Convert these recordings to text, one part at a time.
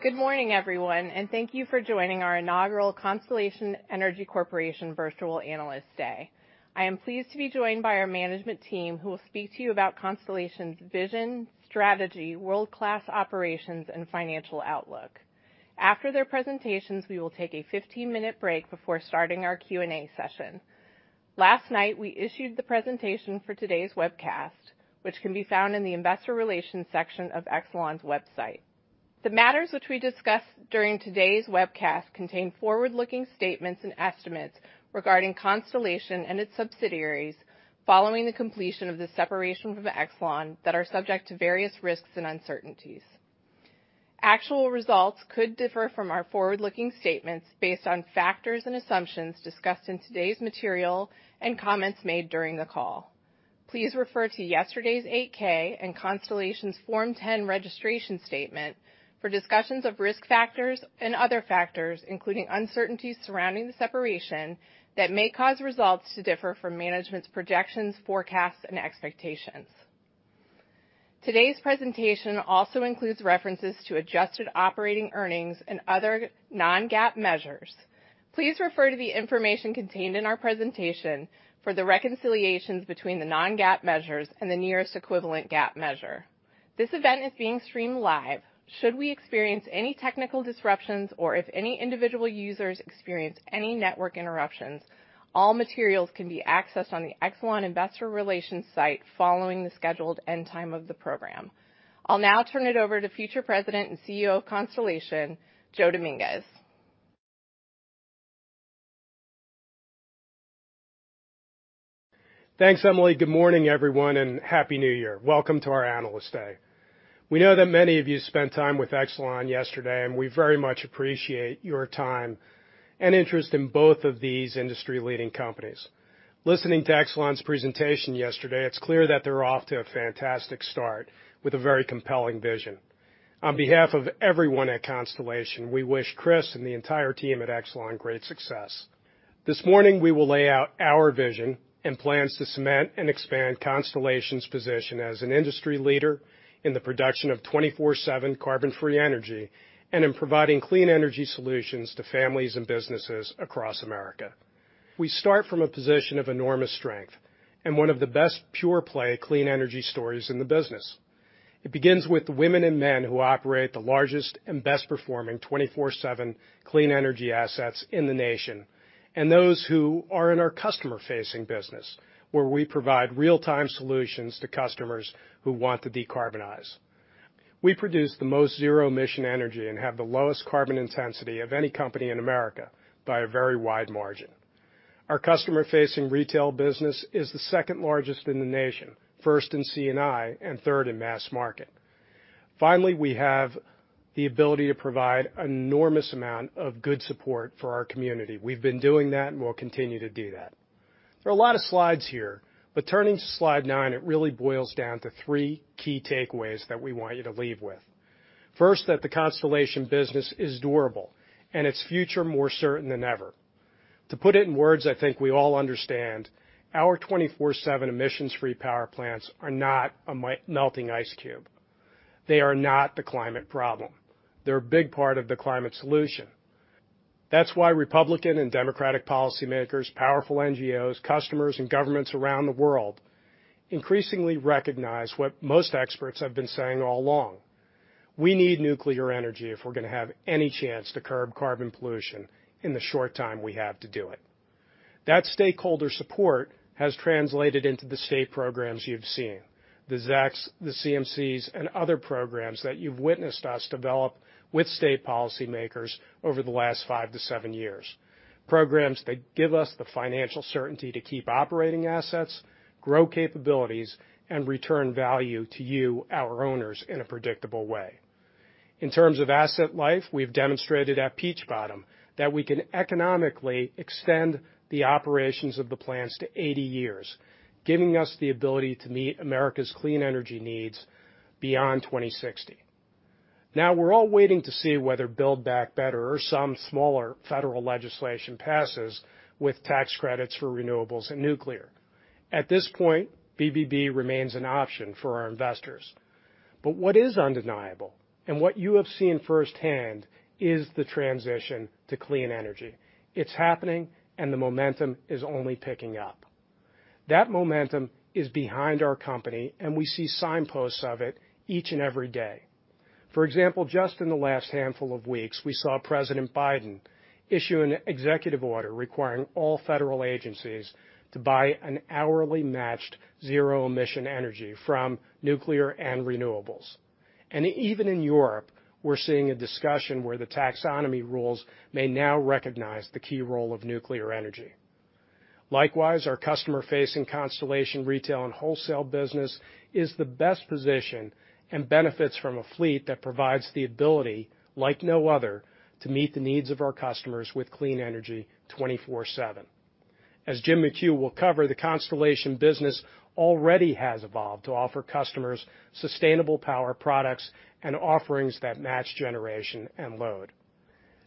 Good morning, everyone, and thank you for joining our inaugural Constellation Energy Corporation Virtual Analyst Day. I am pleased to be joined by our management team who will speak to you about Constellation's vision, strategy, world-class operations and financial outlook. After their presentations, we will take a 15-minute break before starting our Q&A session. Last night, we issued the presentation for today's webcast, which can be found in the investor relations section of Exelon's website. The matters which we discuss during today's webcast contain forward-looking statements and estimates regarding Constellation and its subsidiaries following the completion of the separation from Exelon that are subject to various risks and uncertainties. Actual results could differ from our forward-looking statements based on factors and assumptions discussed in today's material and comments made during the call. Please refer to yesterday's 8-K and Constellation's Form 10 registration statement for discussions of risk factors and other factors, including uncertainties surrounding the separation that may cause results to differ from management's projections, forecasts, and expectations. Today's presentation also includes references to adjusted operating earnings and other non-GAAP measures. Please refer to the information contained in our presentation for the reconciliations between the non-GAAP measures and the nearest equivalent GAAP measure. This event is being streamed live. Should we experience any technical disruptions, or if any individual users experience any network interruptions, all materials can be accessed on the Exelon investor relations site following the scheduled end time of the program. I'll now turn it over to future President and CEO of Constellation, Joe Dominguez. Thanks, Emily. Good morning, everyone, and happy New Year. Welcome to our Analyst Day. We know that many of you spent time with Exelon yesterday, and we very much appreciate your time and interest in both of these industry-leading companies. Listening to Exelon's presentation yesterday, it's clear that they're off to a fantastic start with a very compelling vision. On behalf of everyone at Constellation, we wish Chris and the entire team at Exelon great success. This morning, we will lay out our vision and plans to cement and expand Constellation's position as an industry leader in the production of 24/7 carbon-free energy and in providing clean energy solutions to families and businesses across America. We start from a position of enormous strength and one of the best pure-play clean energy stories in the business. It begins with the women and men who operate the largest and best-performing 24/7 clean energy assets in the nation, and those who are in our customer-facing business, where we provide real-time solutions to customers who want to decarbonize. We produce the most zero-emission energy and have the lowest carbon intensity of any company in America by a very wide margin. Our customer-facing retail business is the second largest in the nation, first in C&I and third in mass market. Finally, we have the ability to provide an enormous amount of good support for our community. We've been doing that, and we'll continue to do that. There are a lot of slides here, but turning to slide 9, it really boils down to 3 key takeaways that we want you to leave with. First, that the Constellation business is durable and its future more certain than ever. To put it in words I think we all understand, our 24/7 emissions-free power plants are not a melting ice cube. They are not the climate problem. They're a big part of the climate solution. That's why Republican and Democratic policymakers, powerful NGOs, customers, and governments around the world increasingly recognize what most experts have been saying all along. We need nuclear energy if we're gonna have any chance to curb carbon pollution in the short time we have to do it. That stakeholder support has translated into the state programs you've seen, the ZECs, the CMCs, and other programs that you've witnessed us develop with state policymakers over the last 5-7 years. Programs that give us the financial certainty to keep operating assets, grow capabilities, and return value to you, our owners, in a predictable way. In terms of asset life, we've demonstrated at Peach Bottom that we can economically extend the operations of the plants to 80 years, giving us the ability to meet America's clean energy needs beyond 2060. Now, we're all waiting to see whether Build Back Better or some smaller federal legislation passes with tax credits for renewables and nuclear. At this point, BBB remains an option for our investors. What is undeniable and what you have seen firsthand is the transition to clean energy. It's happening, and the momentum is only picking up. That momentum is behind our company, and we see signposts of it each and every day. For example, just in the last handful of weeks, we saw President Biden issue an executive order requiring all federal agencies to buy an hourly matched zero-emission energy from nuclear and renewables. Even in Europe, we're seeing a discussion where the taxonomy rules may now recognize the key role of nuclear energy. Likewise, our customer-facing Constellation retail and wholesale business is best positioned and benefits from a fleet that provides the ability like no other to meet the needs of our customers with clean energy 24/7. As Jim McHugh will cover, the Constellation business already has evolved to offer customers sustainable power products and offerings that match generation and load.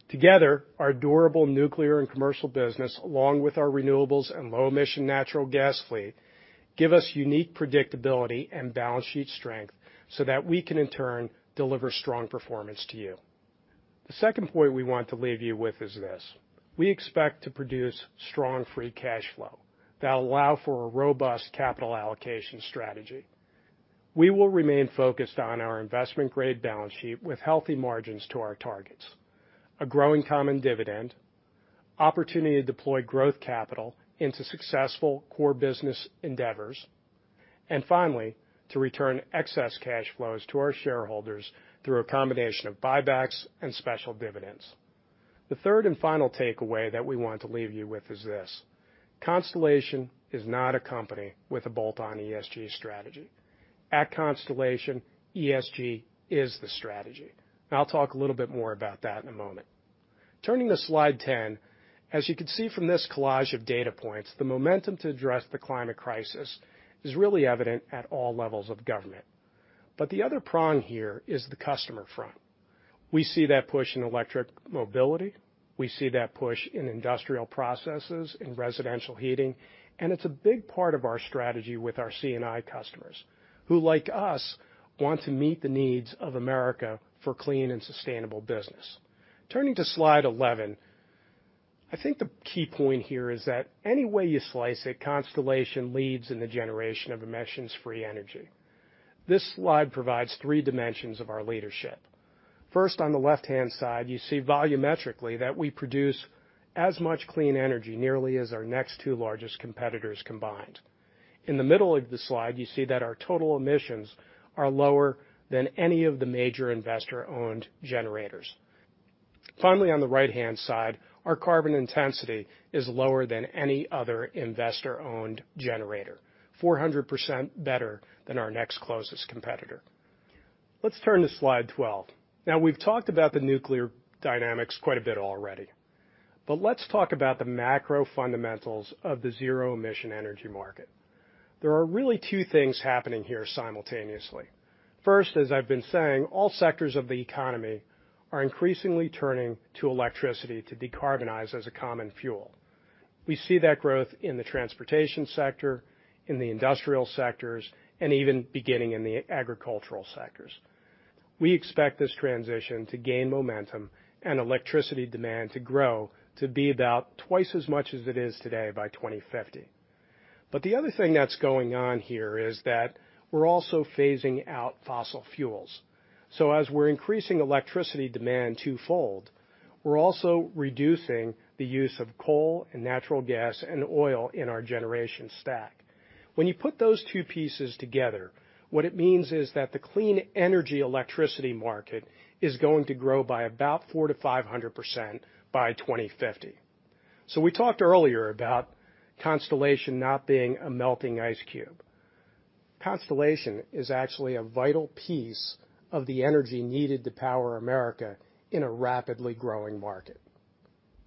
Together, our durable nuclear and commercial business, along with our renewables and low-emission natural gas fleet, give us unique predictability and balance sheet strength so that we can in turn deliver strong performance to you. The second point we want to leave you with is this: we expect to produce strong free cash flow that'll allow for a robust capital allocation strategy. We will remain focused on our investment grade balance sheet with healthy margins to our targets, a growing common dividend, opportunity to deploy growth capital into successful core business endeavors, and finally, to return excess cash flows to our shareholders through a combination of buybacks and special dividends. The third and final takeaway that we want to leave you with is this. Constellation is not a company with a bolt-on ESG strategy. At Constellation, ESG is the strategy, and I'll talk a little bit more about that in a moment. Turning to slide 10, as you can see from this collage of data points, the momentum to address the climate crisis is really evident at all levels of government. The other prong here is the customer front. We see that push in electric mobility, we see that push in industrial processes, in residential heating, and it's a big part of our strategy with our C&I customers, who like us, want to meet the needs of America for clean and sustainable business. Turning to slide 11, I think the key point here is that any way you slice it, Constellation leads in the generation of emission-free energy. This slide provides three dimensions of our leadership. First, on the left-hand side, you see volumetrically that we produce as much clean energy nearly as our next two largest competitors combined. In the middle of the slide, you see that our total emissions are lower than any of the major investor-owned generators. Finally, on the right-hand side, our carbon intensity is lower than any other investor-owned generator, 400% better than our next closest competitor. Let's turn to slide 12. Now, we've talked about the nuclear dynamics quite a bit already, but let's talk about the macro fundamentals of the zero emission energy market. There are really two things happening here simultaneously. First, as I've been saying, all sectors of the economy are increasingly turning to electricity to decarbonize as a common fuel. We see that growth in the transportation sector, in the industrial sectors, and even beginning in the agricultural sectors. We expect this transition to gain momentum and electricity demand to grow to be about twice as much as it is today by 2050. The other thing that's going on here is that we're also phasing out fossil fuels. As we're increasing electricity demand twofold, we're also reducing the use of coal and natural gas and oil in our generation stack. When you put those two pieces together, what it means is that the clean energy electricity market is going to grow by about 400%-500% by 2050. We talked earlier about Constellation not being a melting ice cube. Constellation is actually a vital piece of the energy needed to power America in a rapidly growing market.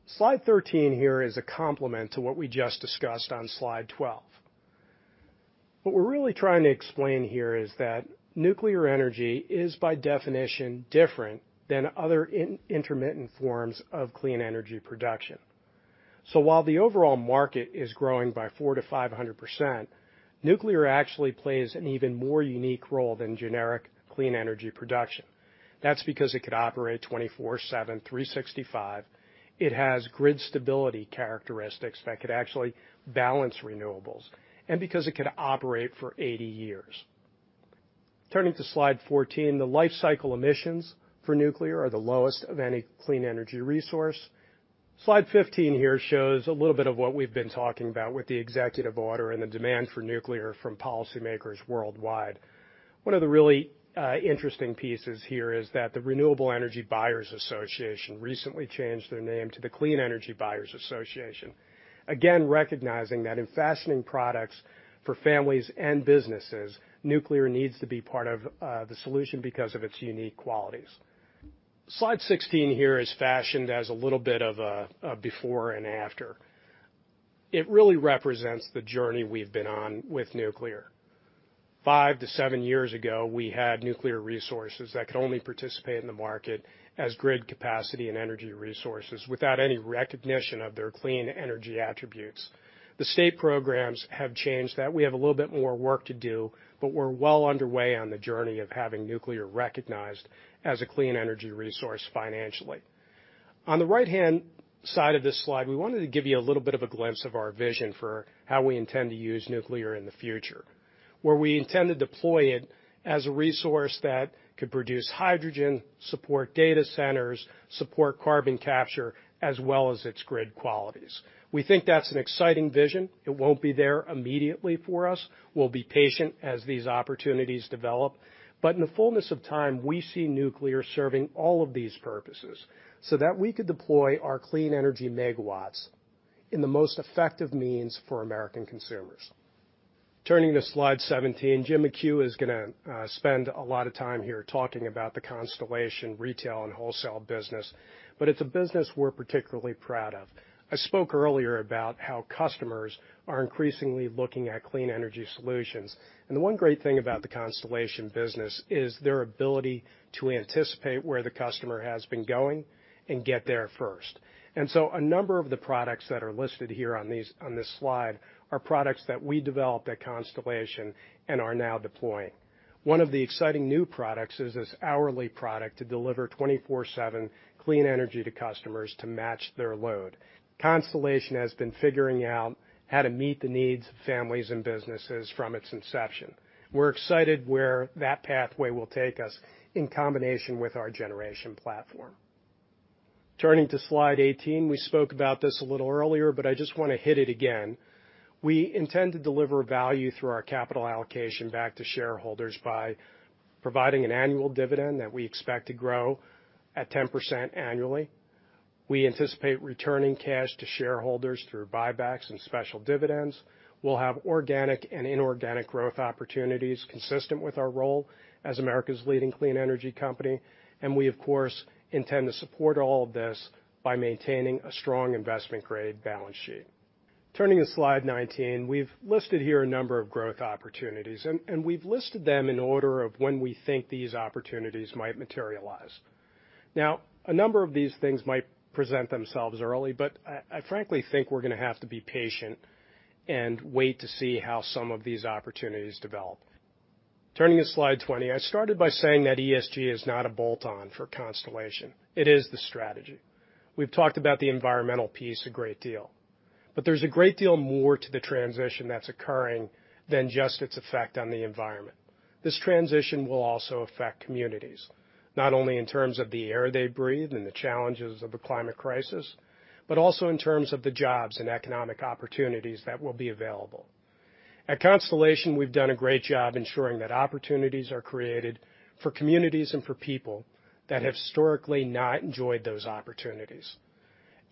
Slide 13 here is a complement to what we just discussed on slide 12. What we're really trying to explain here is that nuclear energy is by definition different than other intermittent forms of clean energy production. While the overall market is growing by 400%-500%, nuclear actually plays an even more unique role than generic clean energy production. That's because it could operate 24/7, 365, it has grid stability characteristics that could actually balance renewables, and because it could operate for 80 years. Turning to slide 14, the life cycle emissions for nuclear are the lowest of any clean energy resource. Slide 15 here shows a little bit of what we've been talking about with the executive order and the demand for nuclear from policymakers worldwide. One of the really, interesting pieces here is that the Renewable Energy Buyers Alliance recently changed their name to the Clean Energy Buyers Association. Again, recognizing that in fashioning products for families and businesses, nuclear needs to be part of, the solution because of its unique qualities. Slide 16 here is fashioned as a little bit of a before and after. It really represents the journey we've been on with nuclear. 5-7 years ago, we had nuclear resources that could only participate in the market as grid capacity and energy resources without any recognition of their clean energy attributes. The state programs have changed that. We have a little bit more work to do, but we're well underway on the journey of having nuclear recognized as a clean energy resource financially. On the right-hand side of this slide, we wanted to give you a little bit of a glimpse of our vision for how we intend to use nuclear in the future, where we intend to deploy it as a resource that could produce hydrogen, support data centers, support carbon capture, as well as its grid qualities. We think that's an exciting vision. It won't be there immediately for us. We'll be patient as these opportunities develop. In the fullness of time, we see nuclear serving all of these purposes so that we could deploy our clean energy megawatts in the most effective means for American consumers. Turning to slide 17, Jim McHugh is going to spend a lot of time here talking about the Constellation retail and wholesale business, but it's a business we're particularly proud of. I spoke earlier about how customers are increasingly looking at clean energy solutions, and the one great thing about the Constellation business is their ability to anticipate where the customer has been going and get there first. A number of the products that are listed here on this slide are products that we developed at Constellation and are now deploying. One of the exciting new products is this hourly product to deliver 24/7 clean energy to customers to match their load. Constellation has been figuring out how to meet the needs of families and businesses from its inception. We're excited about where that pathway will take us in combination with our generation platform. Turning to slide 18. We spoke about this a little earlier, but I just want to hit it again. We intend to deliver value through our capital allocation back to shareholders by providing an annual dividend that we expect to grow at 10% annually. We anticipate returning cash to shareholders through buybacks and special dividends. We'll have organic and inorganic growth opportunities consistent with our role as America's leading clean energy company. We, of course, intend to support all of this by maintaining a strong investment-grade balance sheet. Turning to slide 19. We've listed here a number of growth opportunities, and we've listed them in order of when we think these opportunities might materialize. Now, a number of these things might present themselves early, but I frankly think we're gonna have to be patient and wait to see how some of these opportunities develop. Turning to slide 20. I started by saying that ESG is not a bolt-on for Constellation. It is the strategy. We've talked about the environmental piece a great deal, but there's a great deal more to the transition that's occurring than just its effect on the environment. This transition will also affect communities, not only in terms of the air they breathe and the challenges of the climate crisis, but also in terms of the jobs and economic opportunities that will be available. At Constellation, we've done a great job ensuring that opportunities are created for communities and for people that have historically not enjoyed those opportunities.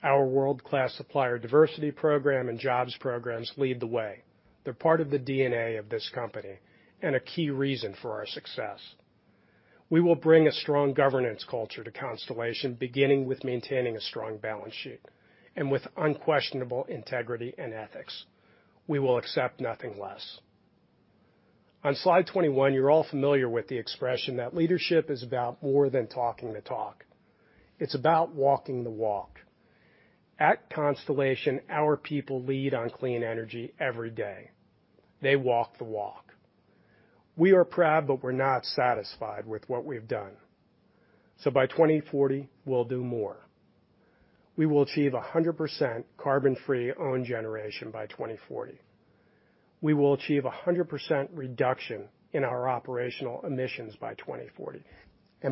Our world-class supplier diversity program and jobs programs lead the way. They're part of the DNA of this company and a key reason for our success. We will bring a strong governance culture to Constellation, beginning with maintaining a strong balance sheet and with unquestionable integrity and ethics. We will accept nothing less. On slide 21, you're all familiar with the expression that leadership is about more than talking the talk. It's about walking the walk. At Constellation, our people lead on clean energy every day. They walk the walk. We are proud, but we're not satisfied with what we've done. So by 2040, we'll do more. We will achieve 100% carbon-free own generation by 2040. We will achieve 100% reduction in our operational emissions by 2040.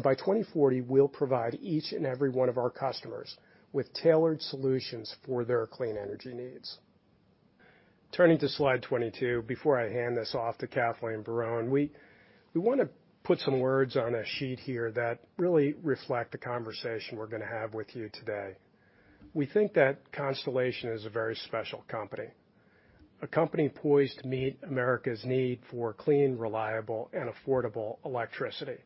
By 2040, we'll provide each and every one of our customers with tailored solutions for their clean energy needs. Turning to slide 22, before I hand this off to Kathleen Barron, we wanna put some words on a sheet here that really reflect the conversation we're gonna have with you today. We think that Constellation is a very special company, a company poised to meet America's need for clean, reliable, and affordable electricity.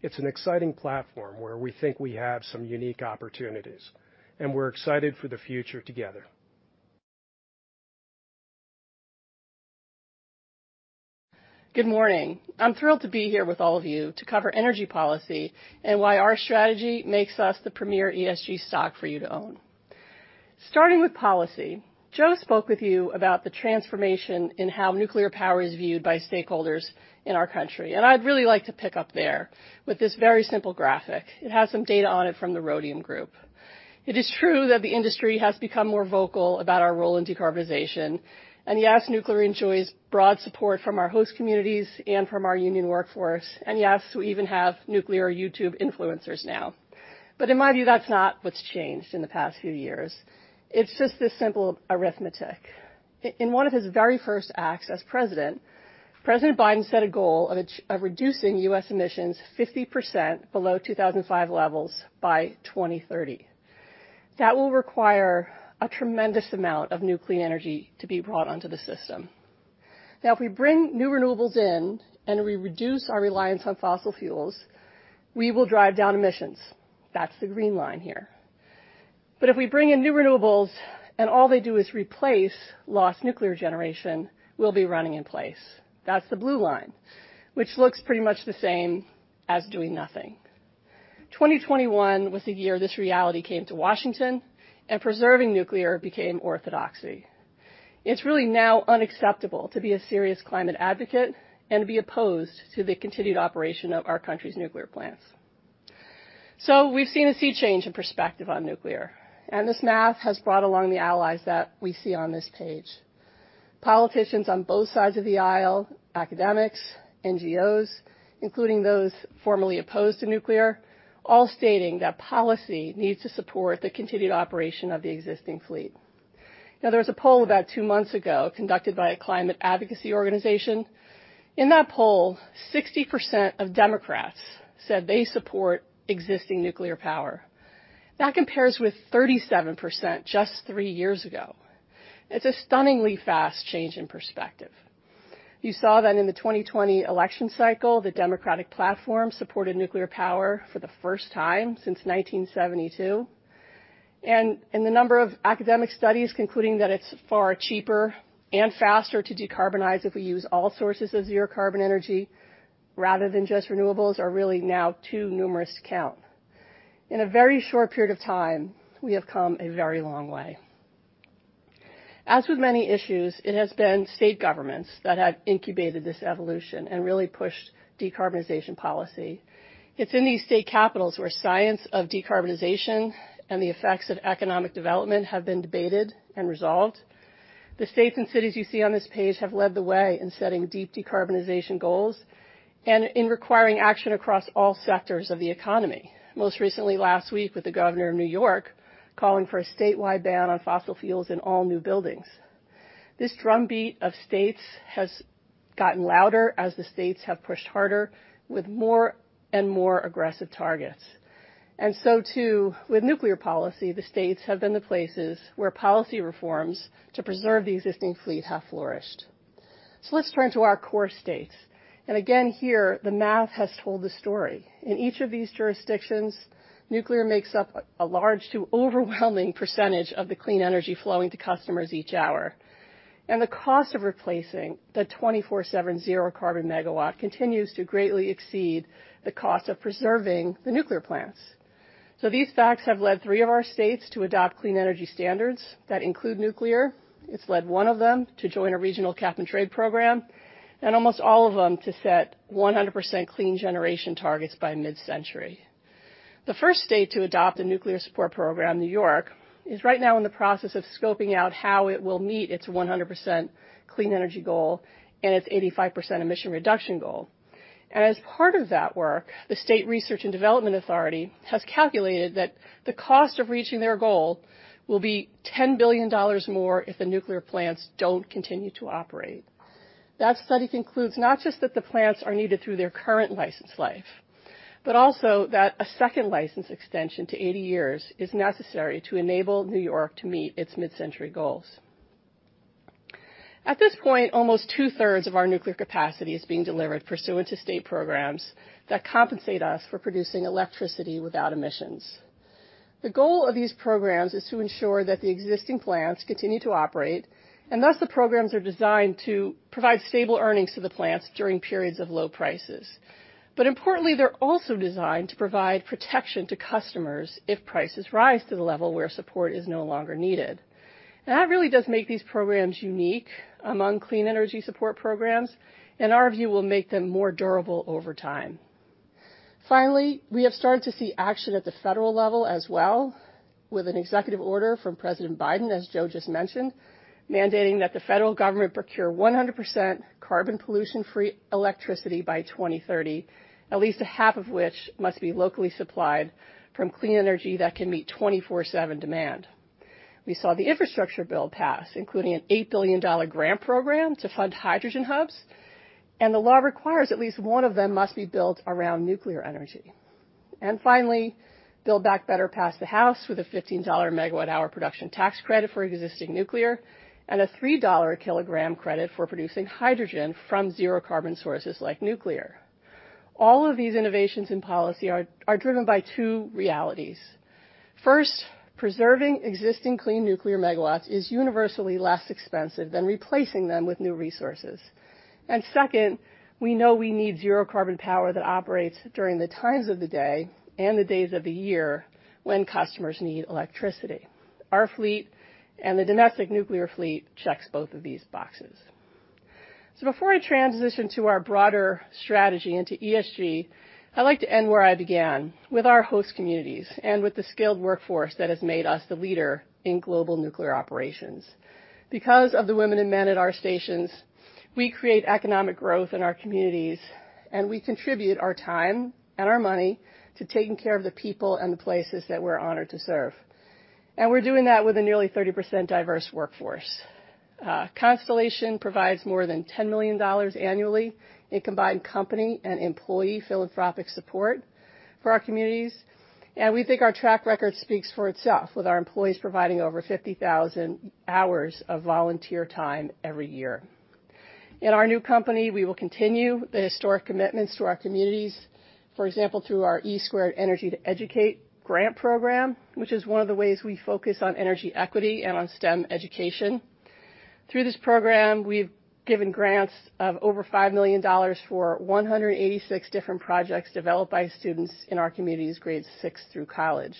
It's an exciting platform where we think we have some unique opportunities, and we're excited for the future together. Good morning. I'm thrilled to be here with all of you to cover energy policy and why our strategy makes us the premier ESG stock for you to own. Starting with policy, Joe spoke with you about the transformation in how nuclear power is viewed by stakeholders in our country, and I'd really like to pick up there with this very simple graphic. It has some data on it from the Rhodium Group. It is true that the industry has become more vocal about our role in decarbonization. And yes, nuclear enjoys broad support from our host communities and from our union workforce, and yes, we even have nuclear YouTube influencers now. In my view, that's not what's changed in the past few years. It's just this simple arithmetic. In one of his very first acts as President Biden set a goal of reducing U.S. emissions 50% below 2005 levels by 2030. That will require a tremendous amount of nuclear energy to be brought onto the system. Now, if we bring new renewables in and we reduce our reliance on fossil fuels, we will drive down emissions. That's the green line here. If we bring in new renewables and all they do is replace lost nuclear generation, we'll be running in place. That's the blue line, which looks pretty much the same as doing nothing. 2021 was the year this reality came to Washington and preserving nuclear became orthodoxy. It's really now unacceptable to be a serious climate advocate and be opposed to the continued operation of our country's nuclear plants. We've seen a sea change in perspective on nuclear, and this math has brought along the allies that we see on this page. Politicians on both sides of the aisle, academics, NGOs, including those formerly opposed to nuclear, all stating that policy needs to support the continued operation of the existing fleet. Now, there was a poll about two months ago conducted by a climate advocacy organization. In that poll, 60% of Democrats said they support existing nuclear power. That compares with 37% just three years ago. It's a stunningly fast change in perspective. You saw that in the 2020 election cycle, the Democratic platform supported nuclear power for the first time since 1972. The number of academic studies concluding that it's far cheaper and faster to decarbonize if we use all sources of zero carbon energy rather than just renewables are really now too numerous to count. In a very short period of time, we have come a very long way. As with many issues, it has been state governments that have incubated this evolution and really pushed decarbonization policy. It's in these state capitals where science of decarbonization and the effects of economic development have been debated and resolved. The states and cities you see on this page have led the way in setting deep decarbonization goals and in requiring action across all sectors of the economy. Most recently, last week with the Governor of New York calling for a statewide ban on fossil fuels in all new buildings. This drumbeat of states has gotten louder as the states have pushed harder with more and more aggressive targets. Too, with nuclear policy, the states have been the places where policy reforms to preserve the existing fleet have flourished. Let's turn to our core states. Again here, the math has told the story. In each of these jurisdictions, nuclear makes up a large to overwhelming percentage of the clean energy flowing to customers each hour. The cost of replacing the 24/7 zero carbon megawatt continues to greatly exceed the cost of preserving the nuclear plants. These facts have led three of our states to adopt clean energy standards that include nuclear. It's led one of them to join a regional cap-and-trade program, and almost all of them to set 100% clean generation targets by mid-century. The first state to adopt a nuclear support program, New York, is right now in the process of scoping out how it will meet its 100% clean energy goal and its 85% emission reduction goal. As part of that work, the State Research and Development Authority has calculated that the cost of reaching their goal will be $10 billion more if the nuclear plants don't continue to operate. That study concludes not just that the plants are needed through their current licensed life, but also that a second license extension to 80 years is necessary to enable New York to meet its mid-century goals. At this point, almost two-thirds of our nuclear capacity is being delivered pursuant to state programs that compensate us for producing electricity without emissions. The goal of these programs is to ensure that the existing plants continue to operate, and thus the programs are designed to provide stable earnings to the plants during periods of low prices. Importantly, they're also designed to provide protection to customers if prices rise to the level where support is no longer needed. That really does make these programs unique among clean energy support programs, in our view, will make them more durable over time. Finally, we have started to see action at the federal level as well with an executive order from President Biden, as Joe just mentioned, mandating that the federal government procure 100% carbon pollution-free electricity by 2030, at least a half of which must be locally supplied from clean energy that can meet 24/7 demand. We saw the infrastructure bill pass, including an $8 billion grant program to fund hydrogen hubs, and the law requires at least one of them must be built around nuclear energy. Finally, Build Back Better passed the House with a $15 megawatt-hour production tax credit for existing nuclear, and a $3 a kilogram credit for producing hydrogen from zero carbon sources like nuclear. All of these innovations in policy are driven by two realities. First, preserving existing clean nuclear megawatts is universally less expensive than replacing them with new resources. Second, we know we need zero carbon power that operates during the times of the day and the days of the year when customers need electricity. Our fleet and the domestic nuclear fleet checks both of these boxes. Before I transition to our broader strategy into ESG, I'd like to end where I began with our host communities and with the skilled workforce that has made us the leader in global nuclear operations. Because of the women and men at our stations, we create economic growth in our communities, and we contribute our time and our money to taking care of the people and the places that we're honored to serve. We're doing that with a nearly 30% diverse workforce. Constellation provides more than $10 million annually in combined company and employee philanthropic support for our communities. We think our track record speaks for itself, with our employees providing over 50,000 hours of volunteer time every year. In our new company, we will continue the historic commitments to our communities, for example, through our E2 Energy to Educate grant program, which is one of the ways we focus on energy equity and on STEM education. Through this program, we've given grants of over $5 million for 186 different projects developed by students in our communities grades six through college.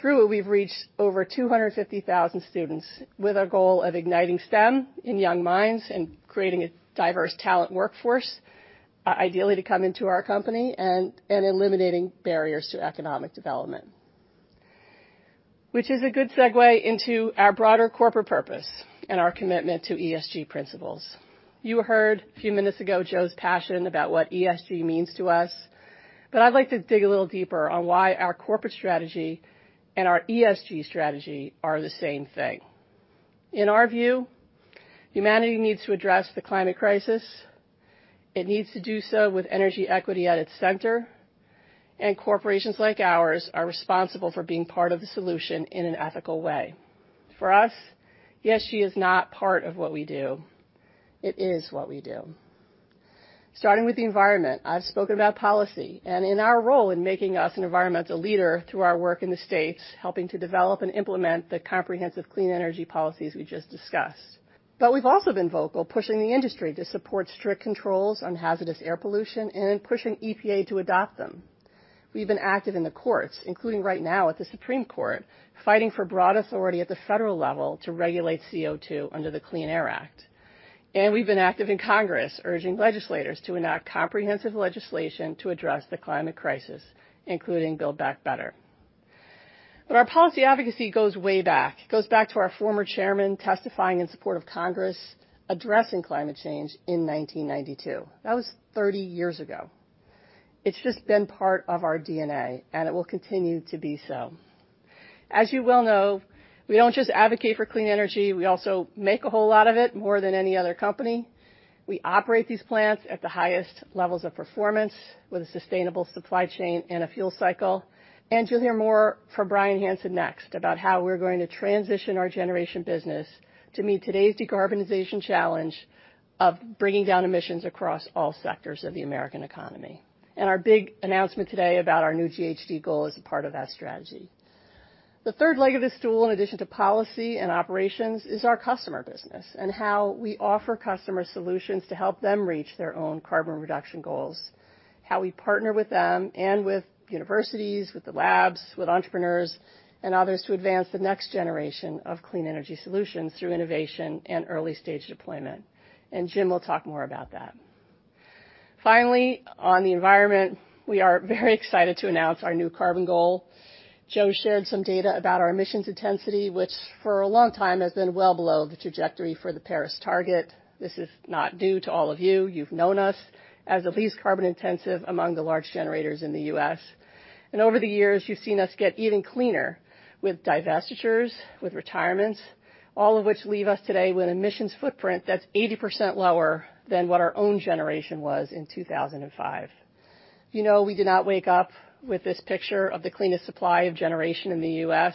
Through it, we've reached over 250,000 students with a goal of igniting STEM in young minds and creating a diverse talent workforce, ideally to come into our company and eliminating barriers to economic development. Which is a good segue into our broader corporate purpose and our commitment to ESG principles. You heard a few minutes ago Joe's passion about what ESG means to us, but I'd like to dig a little deeper on why our corporate strategy and our ESG strategy are the same thing. In our view, humanity needs to address the climate crisis. It needs to do so with energy equity at its center, and corporations like ours are responsible for being part of the solution in an ethical way. For us, ESG is not part of what we do. It is what we do. Starting with the environment, I've spoken about policy and in our role in making us an environmental leader through our work in the States, helping to develop and implement the comprehensive clean energy policies we just discussed. We've also been vocal, pushing the industry to support strict controls on hazardous air pollution and in pushing EPA to adopt them. We've been active in the courts, including right now at the Supreme Court, fighting for broad authority at the federal level to regulate CO₂ under the Clean Air Act. We've been active in Congress, urging legislators to enact comprehensive legislation to address the climate crisis, including Build Back Better. Our policy advocacy goes way back. It goes back to our former chairman testifying in support of Congress, addressing climate change in 1992. That was 30 years ago. It's just been part of our DNA, and it will continue to be so. As you well know, we don't just advocate for clean energy, we also make a whole lot of it, more than any other company. We operate these plants at the highest levels of performance with a sustainable supply chain and a fuel cycle. You'll hear more from Bryan Hanson next about how we're going to transition our generation business to meet today's decarbonization challenge of bringing down emissions across all sectors of the American economy. Our big announcement today about our new GHG goal is a part of that strategy. The third leg of this stool, in addition to policy and operations, is our customer business and how we offer customer solutions to help them reach their own carbon reduction goals, how we partner with them and with universities, with the labs, with entrepreneurs and others to advance the next generation of clean energy solutions through innovation and early-stage deployment. Jim will talk more about that. Finally, on the environment, we are very excited to announce our new carbon goal. Joe shared some data about our emissions intensity, which for a long time has been well below the trajectory for the Paris target. This is not new to all of you. You've known us as the least carbon intensive among the large generators in the U.S. Over the years, you've seen us get even cleaner with divestitures, with retirements, all of which leave us today with emissions footprint that's 80% lower than what our own generation was in 2005. You know, we did not wake up with this picture of the cleanest supply of generation in the U.S.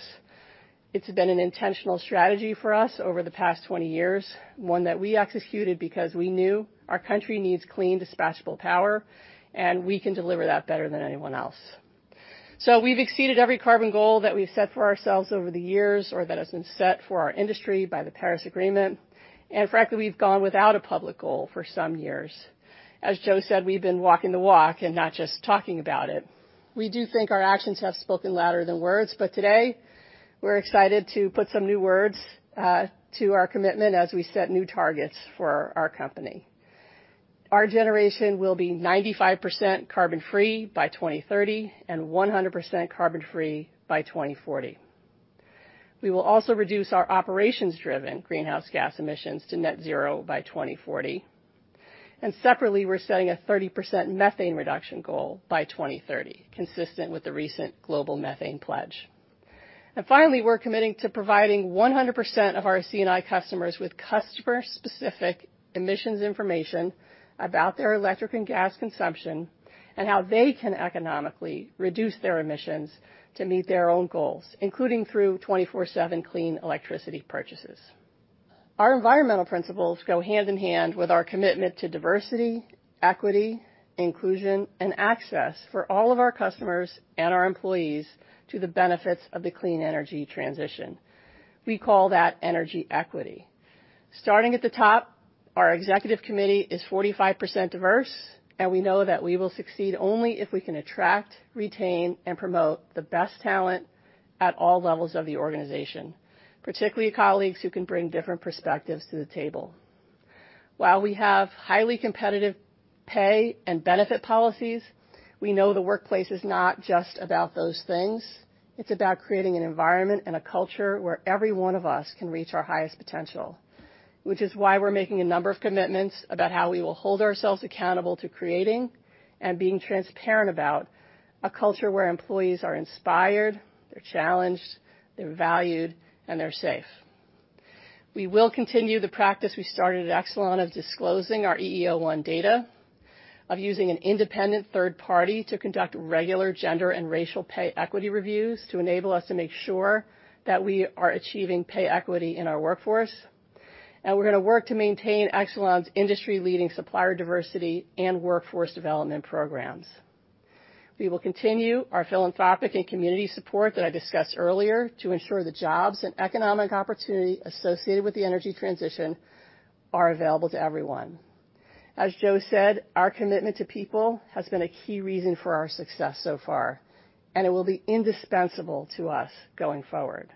It's been an intentional strategy for us over the past 20 years, one that we executed because we knew our country needs clean, dispatchable power, and we can deliver that better than anyone else. We've exceeded every carbon goal that we've set for ourselves over the years or that has been set for our industry by the Paris Agreement. Frankly, we've gone without a public goal for some years. As Joe said, we've been walking the walk and not just talking about it. We do think our actions have spoken louder than words, but today we're excited to put some new words to our commitment as we set new targets for our company. Our generation will be 95% carbon free by 2030 and 100% carbon free by 2040. We will also reduce our operations-driven greenhouse gas emissions to net zero by 2040. Separately, we're setting a 30% methane reduction goal by 2030, consistent with the recent global methane pledge. Finally, we're committing to providing 100% of our C&I customers with customer-specific emissions information about their electric and gas consumption and how they can economically reduce their emissions to meet their own goals, including through 24/7 clean electricity purchases. Our environmental principles go hand in hand with our commitment to diversity, equity, inclusion, and access for all of our customers and our employees to the benefits of the clean energy transition. We call that energy equity. Starting at the top, our executive committee is 45% diverse, and we know that we will succeed only if we can attract, retain, and promote the best talent at all levels of the organization, particularly colleagues who can bring different perspectives to the table. While we have highly competitive pay and benefit policies, we know the workplace is not just about those things. It's about creating an environment and a culture where every one of us can reach our highest potential, which is why we're making a number of commitments about how we will hold ourselves accountable to creating and being transparent about a culture where employees are inspired, they're challenged, they're valued, and they're safe. We will continue the practice we started at Exelon of disclosing our EEO-1 data, of using an independent third party to conduct regular gender and racial pay equity reviews to enable us to make sure that we are achieving pay equity in our workforce. We're gonna work to maintain Exelon's industry-leading supplier diversity and workforce development programs. We will continue our philanthropic and community support that I discussed earlier to ensure the jobs and economic opportunity associated with the energy transition are available to everyone. As Joe said, our commitment to people has been a key reason for our success so far, and it will be indispensable to us going forward.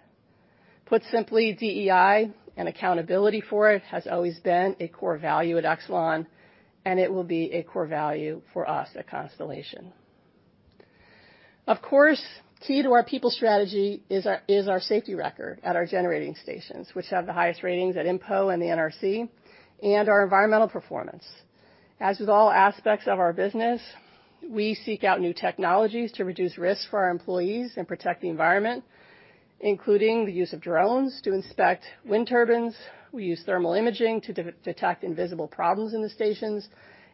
Put simply, DEI and accountability for it has always been a core value at Exelon, and it will be a core value for us at Constellation. Of course, key to our people strategy is our safety record at our generating stations, which have the highest ratings at INPO and the NRC, and our environmental performance. As with all aspects of our business, we seek out new technologies to reduce risk for our employees and protect the environment, including the use of drones to inspect wind turbines, we use thermal imaging to detect invisible problems in the stations,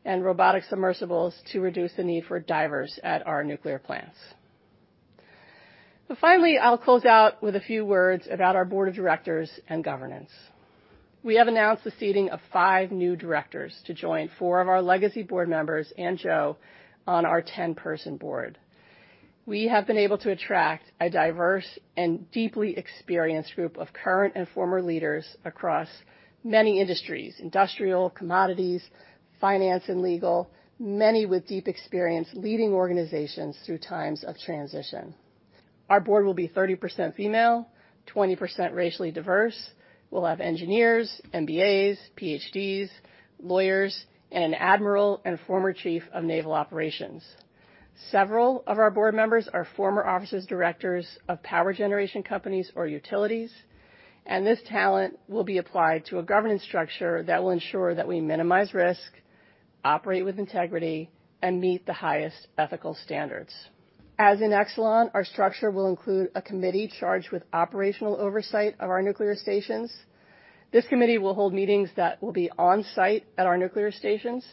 and robotic submersibles to reduce the need for divers at our nuclear plants. Finally, I'll close out with a few words about our board of directors and governance. We have announced the seating of 5 new directors to join 4 of our legacy board members and Joe on our 10-person board. We have been able to attract a diverse and deeply experienced group of current and former leaders across many industries, industrial, commodities, finance, and legal, many with deep experience leading organizations through times of transition. Our board will be 30% female, 20% racially diverse. We'll have engineers, MBAs, PhDs, lawyers, and an admiral and former chief of naval operations. Several of our board members are former officers, directors of power generation companies or utilities, and this talent will be applied to a governance structure that will ensure that we minimize risk, operate with integrity, and meet the highest ethical standards. As in Exelon, our structure will include a committee charged with operational oversight of our nuclear stations. This committee will hold meetings that will be on-site at our nuclear stations,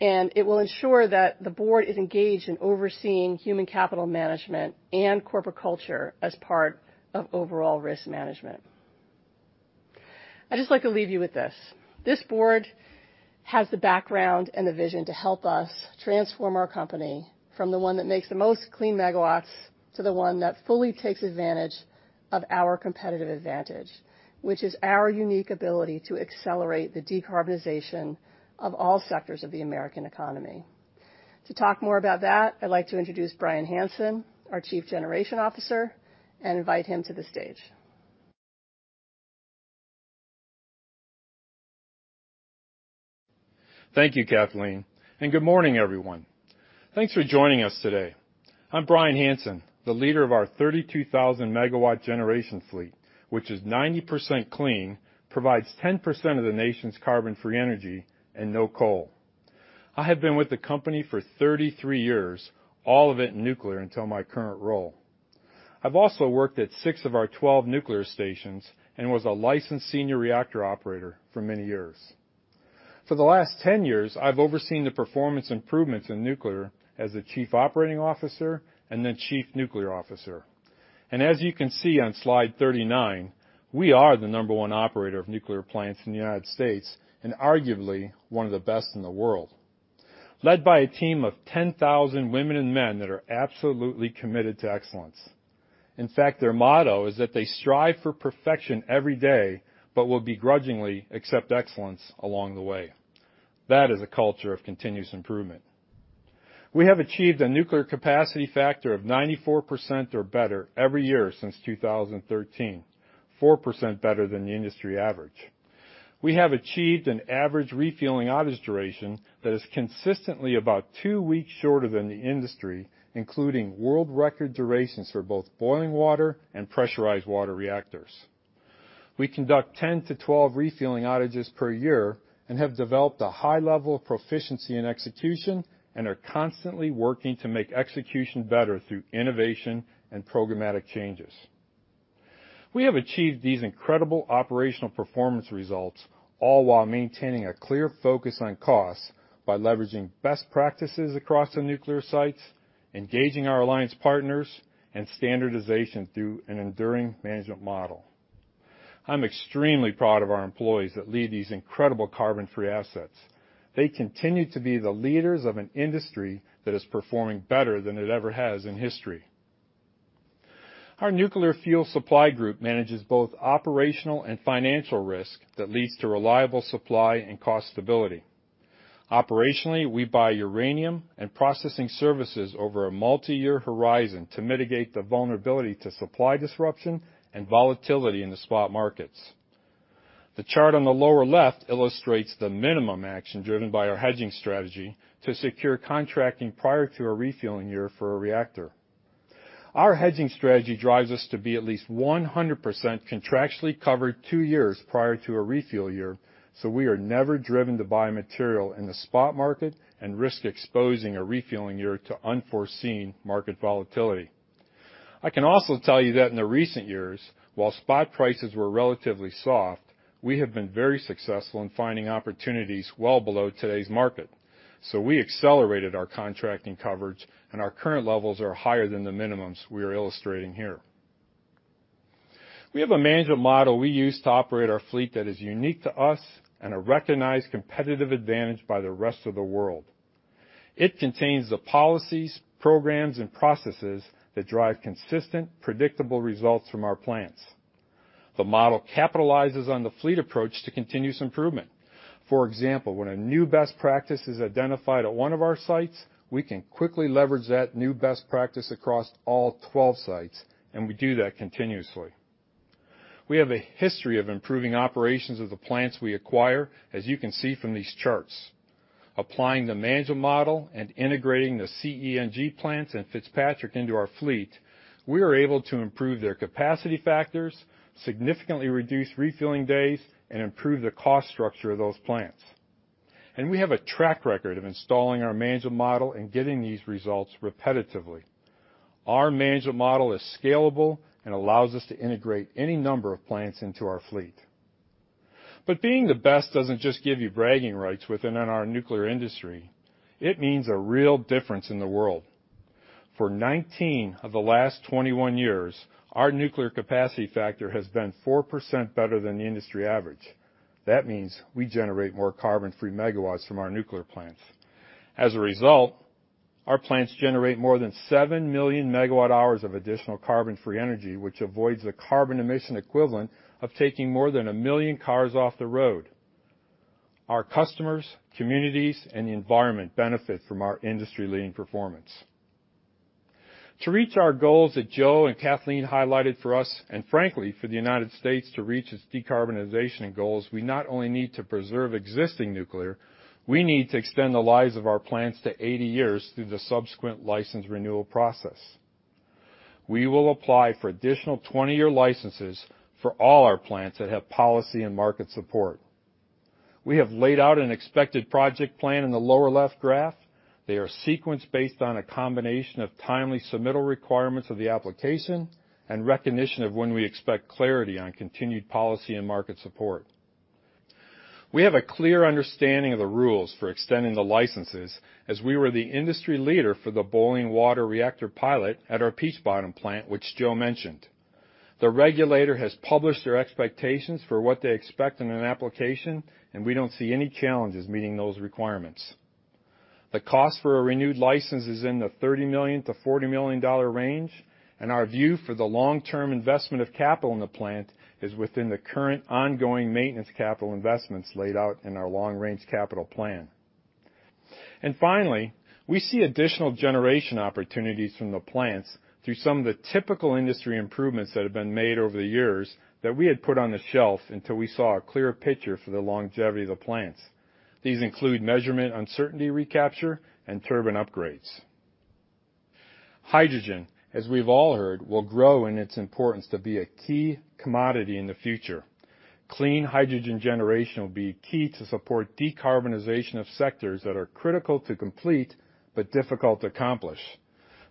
and it will ensure that the board is engaged in overseeing human capital management and corporate culture as part of overall risk management. I'd just like to leave you with this. This board has the background and the vision to help us transform our company from the one that makes the most clean megawatts to the one that fully takes advantage of our competitive advantage, which is our unique ability to accelerate the decarbonization of all sectors of the American economy. To talk more about that, I'd like to introduce Bryan Hanson, our Chief Generation Officer, and invite him to the stage. Thank you, Kathleen, and good morning, everyone. Thanks for joining us today. I'm Bryan Hanson, the leader of our 32,000-MW generation fleet, which is 90% clean, provides 10% of the nation's carbon-free energy and no coal. I have been with the company for 33 years, all of it in nuclear until my current role. I've also worked at six of our 12 nuclear stations and was a licensed Senior Reactor Operator for many years. For the last 10 years, I've overseen the performance improvements in nuclear as a Chief Operating Officer and then Chief Nuclear Officer. As you can see on slide 39, we are the number one operator of nuclear plants in the United States and arguably one of the best in the world, led by a team of 10,000 women and men that are absolutely committed to excellence. In fact, their motto is that they strive for perfection every day but will begrudgingly accept excellence along the way. That is a culture of continuous improvement. We have achieved a nuclear capacity factor of 94% or better every year since 2013, 4% better than the industry average. We have achieved an average refueling outage duration that is consistently about 2 weeks shorter than the industry, including world record durations for both boiling water and pressurized water reactors. We conduct 10-12 refueling outages per year and have developed a high level of proficiency in execution and are constantly working to make execution better through innovation and programmatic changes. We have achieved these incredible operational performance results all while maintaining a clear focus on costs by leveraging best practices across the nuclear sites, engaging our alliance partners, and standardization through an enduring management model. I'm extremely proud of our employees that lead these incredible carbon-free assets. They continue to be the leaders of an industry that is performing better than it ever has in history. Our nuclear fuel supply group manages both operational and financial risk that leads to reliable supply and cost stability. Operationally, we buy uranium and processing services over a multi-year horizon to mitigate the vulnerability to supply disruption and volatility in the spot markets. The chart on the lower left illustrates the minimum action driven by our hedging strategy to secure contracting prior to a refueling year for a reactor. Our hedging strategy drives us to be at least 100% contractually covered two years prior to a refuel year, so we are never driven to buy material in the spot market and risk exposing a refueling year to unforeseen market volatility. I can also tell you that in the recent years, while spot prices were relatively soft, we have been very successful in finding opportunities well below today's market. We accelerated our contracting coverage, and our current levels are higher than the minimums we are illustrating here. We have a management model we use to operate our fleet that is unique to us and a recognized competitive advantage by the rest of the world. It contains the policies, programs, and processes that drive consistent, predictable results from our plants. The model capitalizes on the fleet approach to continuous improvement. For example, when a new best practice is identified at one of our sites, we can quickly leverage that new best practice across all 12 sites, and we do that continuously. We have a history of improving operations of the plants we acquire, as you can see from these charts. Applying the management model and integrating the CENG plants and Fitzpatrick into our fleet, we are able to improve their capacity factors, significantly reduce refueling days, and improve the cost structure of those plants. We have a track record of installing our management model and getting these results repetitively. Our management model is scalable and allows us to integrate any number of plants into our fleet. Being the best doesn't just give you bragging rights within our nuclear industry, it means a real difference in the world. For 19 of the last 21 years, our nuclear capacity factor has been 4% better than the industry average. That means we generate more carbon-free megawatts from our nuclear plants. As a result, our plants generate more than 7 million MWh of additional carbon-free energy, which avoids the carbon emission equivalent of taking more than 1 million cars off the road. Our customers, communities, and the environment benefit from our industry-leading performance. To reach our goals that Joe and Kathleen highlighted for us, and frankly, for the United States to reach its decarbonization goals, we not only need to preserve existing nuclear, we need to extend the lives of our plants to 80 years through the subsequent license renewal process. We will apply for additional 20-year licenses for all our plants that have policy and market support. We have laid out an expected project plan in the lower left graph. They are sequenced based on a combination of timely submittal requirements of the application and recognition of when we expect clarity on continued policy and market support. We have a clear understanding of the rules for extending the licenses as we were the industry leader for the boiling water reactor pilot at our Peach Bottom plant, which Joe mentioned. The regulator has published their expectations for what they expect in an application, and we don't see any challenges meeting those requirements. The cost for a renewed license is in the $30 million-$40 million range, and our view for the long-term investment of capital in the plant is within the current ongoing maintenance capital investments laid out in our long-range capital plan. Finally, we see additional generation opportunities from the plants through some of the typical industry improvements that have been made over the years that we had put on the shelf until we saw a clearer picture for the longevity of the plants. These include measurement uncertainty recapture, and turbine upgrades. Hydrogen, as we've all heard, will grow in its importance to be a key commodity in the future. Clean hydrogen generation will be key to support decarbonization of sectors that are critical to complete but difficult to accomplish,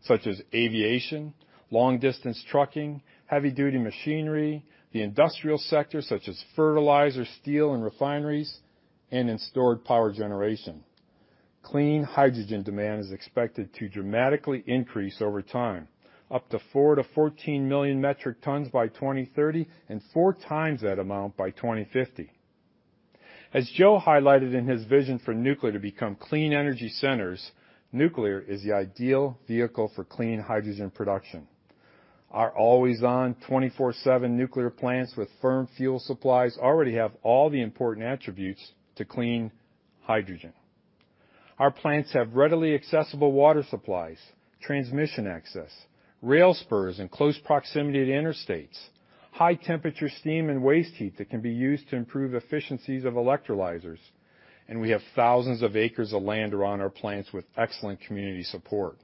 such as aviation, long-distance trucking, heavy-duty machinery, the industrial sector such as fertilizer, steel, and refineries, and in stored power generation. Clean hydrogen demand is expected to dramatically increase over time, up to 4-14 million metric tons by 2030 and 4 times that amount by 2050. As Joe highlighted in his vision for nuclear to become clean energy centers, nuclear is the ideal vehicle for clean hydrogen production. Our always-on, 24/7 nuclear plants with firm fuel supplies already have all the important attributes to clean hydrogen. Our plants have readily accessible water supplies, transmission access, rail spurs in close proximity to interstates, high-temperature steam and waste heat that can be used to improve efficiencies of electrolyzers, and we have thousands of acres of land around our plants with excellent community support.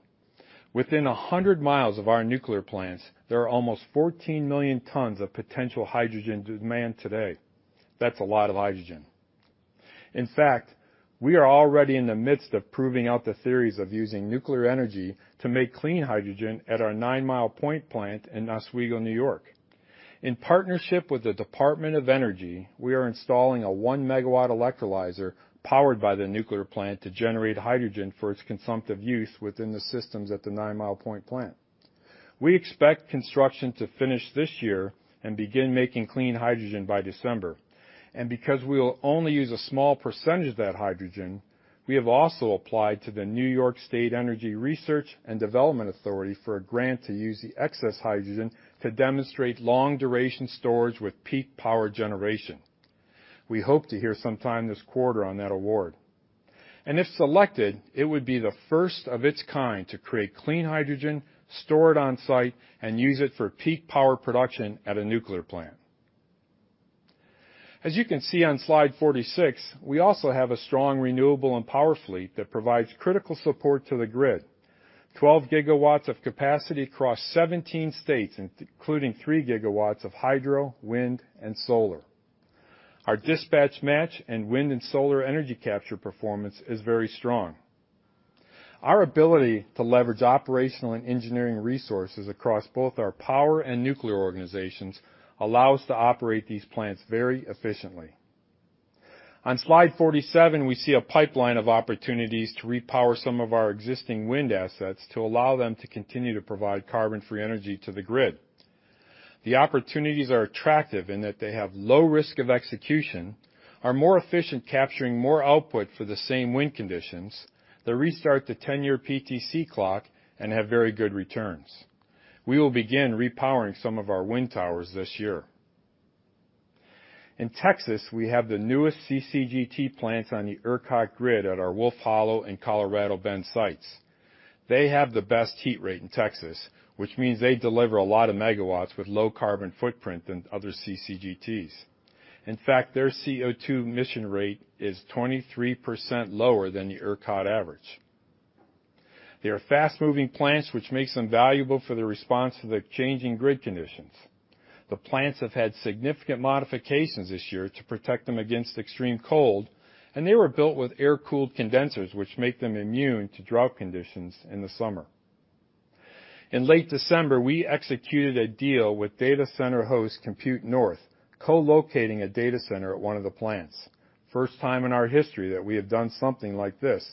Within 100 miles of our nuclear plants, there are almost 14 million tons of potential hydrogen demand today. That's a lot of hydrogen. In fact, we are already in the midst of proving out the theories of using nuclear energy to make clean hydrogen at our Nine Mile Point plant in Oswego, New York. In partnership with the Department of Energy, we are installing a 1-MW electrolyzer powered by the nuclear plant to generate hydrogen for its consumptive use within the systems at the Nine Mile Point plant. We expect construction to finish this year and begin making clean hydrogen by December. Because we will only use a small percentage of that hydrogen, we have also applied to the New York State Energy Research and Development Authority for a grant to use the excess hydrogen to demonstrate long-duration storage with peak power generation. We hope to hear sometime this quarter on that award. If selected, it would be the first of its kind to create clean hydrogen, store it on-site, and use it for peak power production at a nuclear plant. As you can see on slide 46, we also have a strong renewable and power fleet that provides critical support to the grid. 12 gigawatts of capacity across 17 states, including 3 gigawatts of hydro, wind, and solar. Our dispatch match and wind and solar energy capture performance is very strong. Our ability to leverage operational and engineering resources across both our power and nuclear organizations allow us to operate these plants very efficiently. On slide 47, we see a pipeline of opportunities to repower some of our existing wind assets to allow them to continue to provide carbon-free energy to the grid. The opportunities are attractive in that they have low risk of execution, are more efficient capturing more output for the same wind conditions, they restart the 10-year PTC clock and have very good returns. We will begin repowering some of our wind towers this year. In Texas, we have the newest CCGT plants on the ERCOT grid at our Wolf Hollow and Colorado Bend sites. They have the best heat rate in Texas, which means they deliver a lot of megawatts with low carbon footprint than other CCGTs. In fact, their CO₂ emission rate is 23% lower than the ERCOT average. They are fast-moving plants, which makes them valuable for the response to the changing grid conditions. The plants have had significant modifications this year to protect them against extreme cold, and they were built with air-cooled condensers, which make them immune to drought conditions in the summer. In late December, we executed a deal with data center host Compute North, co-locating a data center at one of the plants. First time in our history that we have done something like this,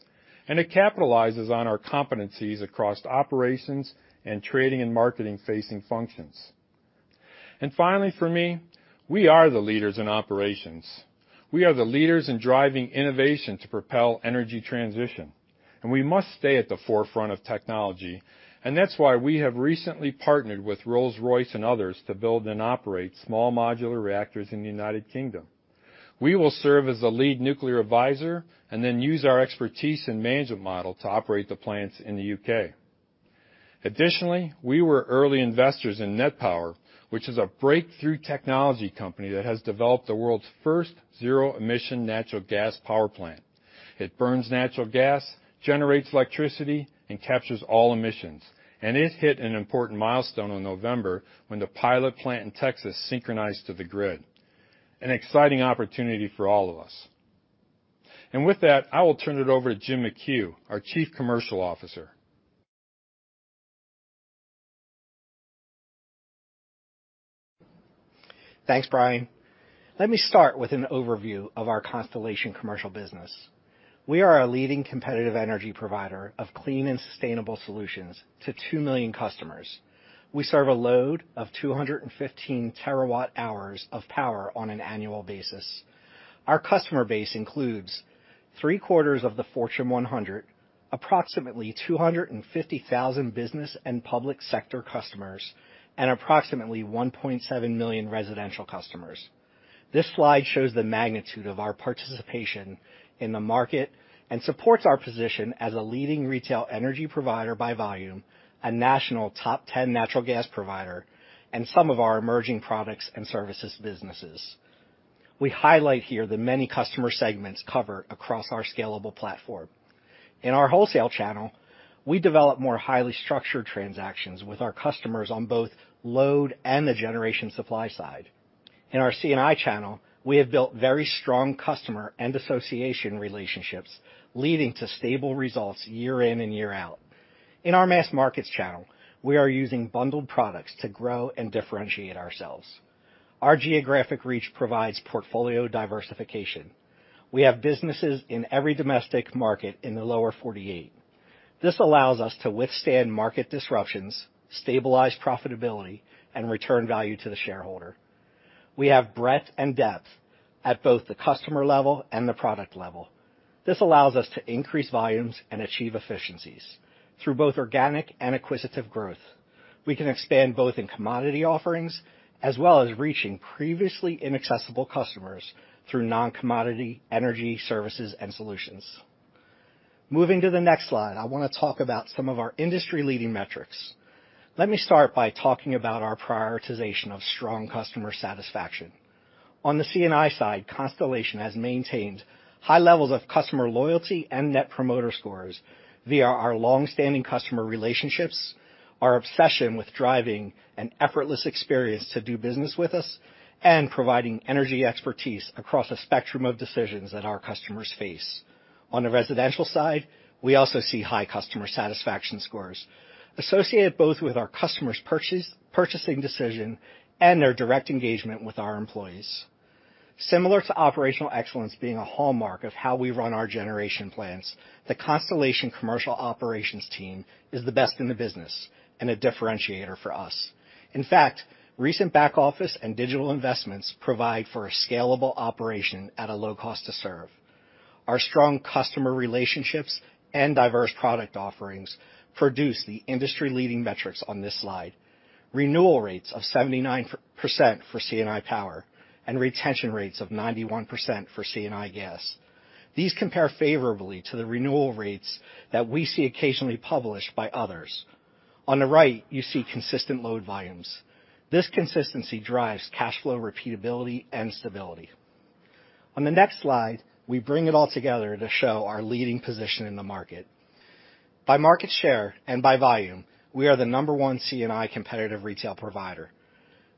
and it capitalizes on our competencies across operations and trading and marketing-facing functions. Finally, for me, we are the leaders in operations. We are the leaders in driving innovation to propel energy transition, and we must stay at the forefront of technology, and that's why we have recently partnered with Rolls-Royce and others to build and operate small modular reactors in the United Kingdom. We will serve as the lead nuclear advisor and then use our expertise and management model to operate the plants in the U.K. Additionally, we were early investors in NET Power, which is a breakthrough technology company that has developed the world's first zero-emission natural gas power plant. It burns natural gas, generates electricity, and captures all emissions. It hit an important milestone in November when the pilot plant in Texas synchronized to the grid. An exciting opportunity for all of us. With that, I will turn it over to Jim McHugh, our Chief Commercial Officer. Thanks, Bryan. Let me start with an overview of our Constellation commercial business. We are a leading competitive energy provider of clean and sustainable solutions to 2 million customers. We serve a load of 215 TWh of power on an annual basis. Our customer base includes three-quarters of the Fortune 100, approximately 250,000 business and public sector customers, and approximately 1.7 million residential customers. This slide shows the magnitude of our participation in the market and supports our position as a leading retail energy provider by volume, a national top 10 natural gas provider, and some of our emerging products and services businesses. We highlight here the many customer segments covered across our scalable platform. In our wholesale channel, we develop more highly structured transactions with our customers on both load and the generation supply side. In our C&I channel, we have built very strong customer and association relationships, leading to stable results year in and year out. In our mass markets channel, we are using bundled products to grow and differentiate ourselves. Our geographic reach provides portfolio diversification. We have businesses in every domestic market in the lower 48. This allows us to withstand market disruptions, stabilize profitability, and return value to the shareholder. We have breadth and depth at both the customer level and the product level. This allows us to increase volumes and achieve efficiencies through both organic and acquisitive growth. We can expand both in commodity offerings as well as reaching previously inaccessible customers through non-commodity energy services and solutions. Moving to the next slide, I want to talk about some of our industry-leading metrics. Let me start by talking about our prioritization of strong customer satisfaction. On the C&I side, Constellation has maintained high levels of customer loyalty and net promoter scores via our long-standing customer relationships, our obsession with driving an effortless experience to do business with us, and providing energy expertise across a spectrum of decisions that our customers face. On the residential side, we also see high customer satisfaction scores associated both with our customers' purchasing decision and their direct engagement with our employees. Similar to operational excellence being a hallmark of how we run our generation plants, the Constellation commercial operations team is the best in the business and a differentiator for us. In fact, recent back-office and digital investments provide for a scalable operation at a low cost to serve. Our strong customer relationships and diverse product offerings produce the industry-leading metrics on this slide. Renewal rates of 79% for C&I power and retention rates of 91% for C&I gas. These compare favorably to the renewal rates that we see occasionally published by others. On the right, you see consistent load volumes. This consistency drives cash flow repeatability and stability. On the next slide, we bring it all together to show our leading position in the market. By market share and by volume, we are the No. 1 C&I competitive retail provider.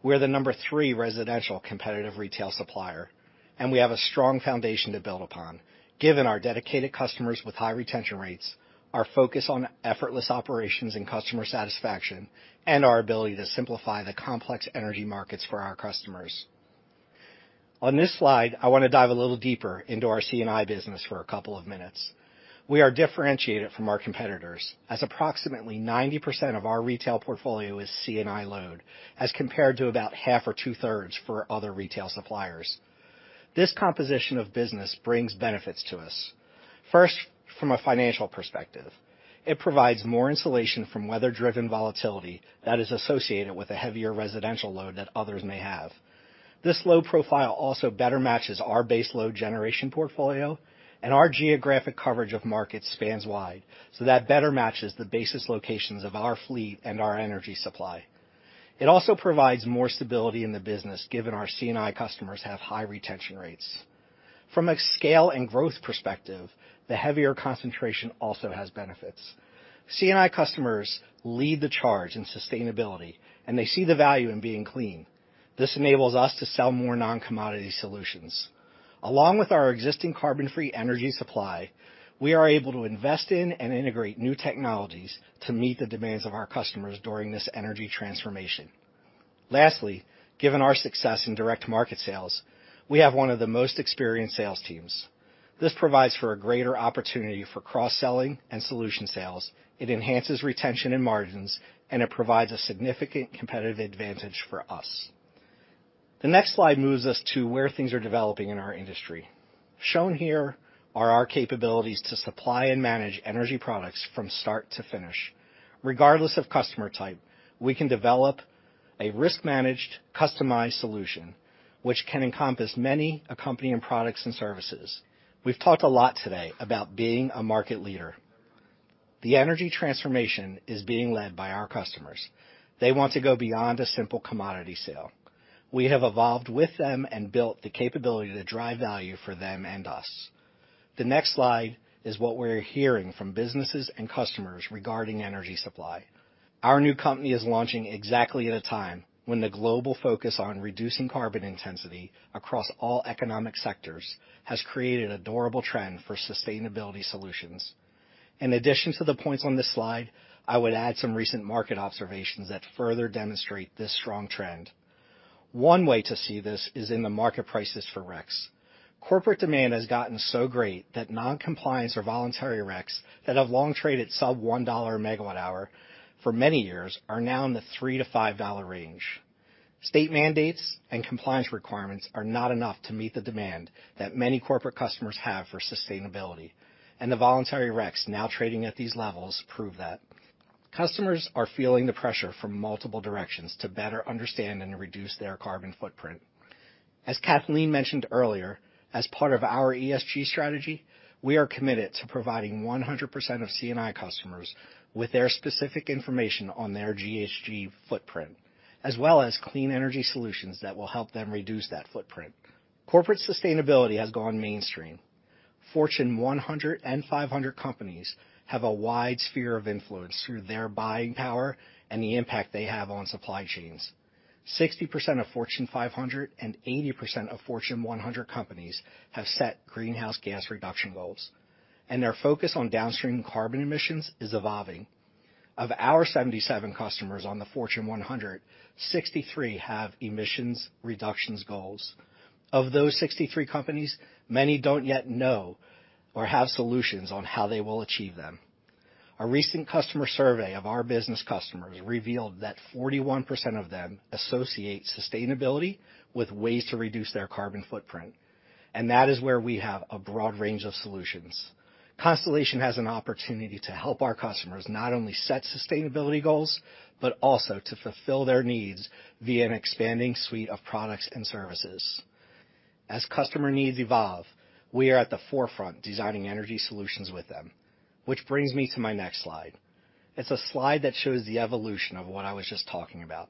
We are the No. 3 residential competitive retail supplier, and we have a strong foundation to build upon, given our dedicated customers with high retention rates, our focus on effortless operations and customer satisfaction, and our ability to simplify the complex energy markets for our customers. On this slide, I want to dive a little deeper into our C&I business for a couple of minutes. We are differentiated from our competitors, as approximately 90% of our retail portfolio is C&I load, as compared to about half or two-thirds for other retail suppliers. This composition of business brings benefits to us. First, from a financial perspective, it provides more insulation from weather-driven volatility that is associated with a heavier residential load that others may have. This low profile also better matches our base load generation portfolio, and our geographic coverage of markets spans wide, so that better matches the basis locations of our fleet and our energy supply. It also provides more stability in the business, given our C&I customers have high retention rates. From a scale and growth perspective, the heavier concentration also has benefits. C&I customers lead the charge in sustainability, and they see the value in being clean. This enables us to sell more non-commodity solutions. Along with our existing carbon-free energy supply, we are able to invest in and integrate new technologies to meet the demands of our customers during this energy transformation. Lastly, given our success in direct market sales, we have one of the most experienced sales teams. This provides for a greater opportunity for cross-selling and solution sales. It enhances retention and margins, and it provides a significant competitive advantage for us. The next slide moves us to where things are developing in our industry. Shown here are our capabilities to supply and manage energy products from start to finish. Regardless of customer type, we can develop a risk-managed, customized solution which can encompass many accompanying products and services. We've talked a lot today about being a market leader. The energy transformation is being led by our customers. They want to go beyond a simple commodity sale. We have evolved with them and built the capability to drive value for them and us. The next slide is what we're hearing from businesses and customers regarding energy supply. Our new company is launching exactly at a time when the global focus on reducing carbon intensity across all economic sectors has created a durable trend for sustainability solutions. In addition to the points on this slide, I would add some recent market observations that further demonstrate this strong trend. One way to see this is in the market prices for RECs. Corporate demand has gotten so great that noncompliance or voluntary RECs that have long traded sub $1/MWh for many years are now in the $3-$5 range. State mandates and compliance requirements are not enough to meet the demand that many corporate customers have for sustainability, and the voluntary RECs now trading at these levels prove that. Customers are feeling the pressure from multiple directions to better understand and reduce their carbon footprint. As Kathleen mentioned earlier, as part of our ESG strategy, we are committed to providing 100% of C&I customers with their specific information on their GHG footprint, as well as clean energy solutions that will help them reduce that footprint. Corporate sustainability has gone mainstream. Fortune 100 and 500 companies have a wide sphere of influence through their buying power and the impact they have on supply chains. 60% of Fortune 500 and 80% of Fortune 100 companies have set greenhouse gas reduction goals, and their focus on downstream carbon emissions is evolving. Of our 77 customers on the Fortune 100, 63 have emissions reductions goals. Of those 63 companies, many don't yet know or have solutions on how they will achieve them. A recent customer survey of our business customers revealed that 41% of them associate sustainability with ways to reduce their carbon footprint, and that is where we have a broad range of solutions. Constellation has an opportunity to help our customers not only set sustainability goals, but also to fulfill their needs via an expanding suite of products and services. As customer needs evolve, we are at the forefront designing energy solutions with them. Which brings me to my next slide. It's a slide that shows the evolution of what I was just talking about.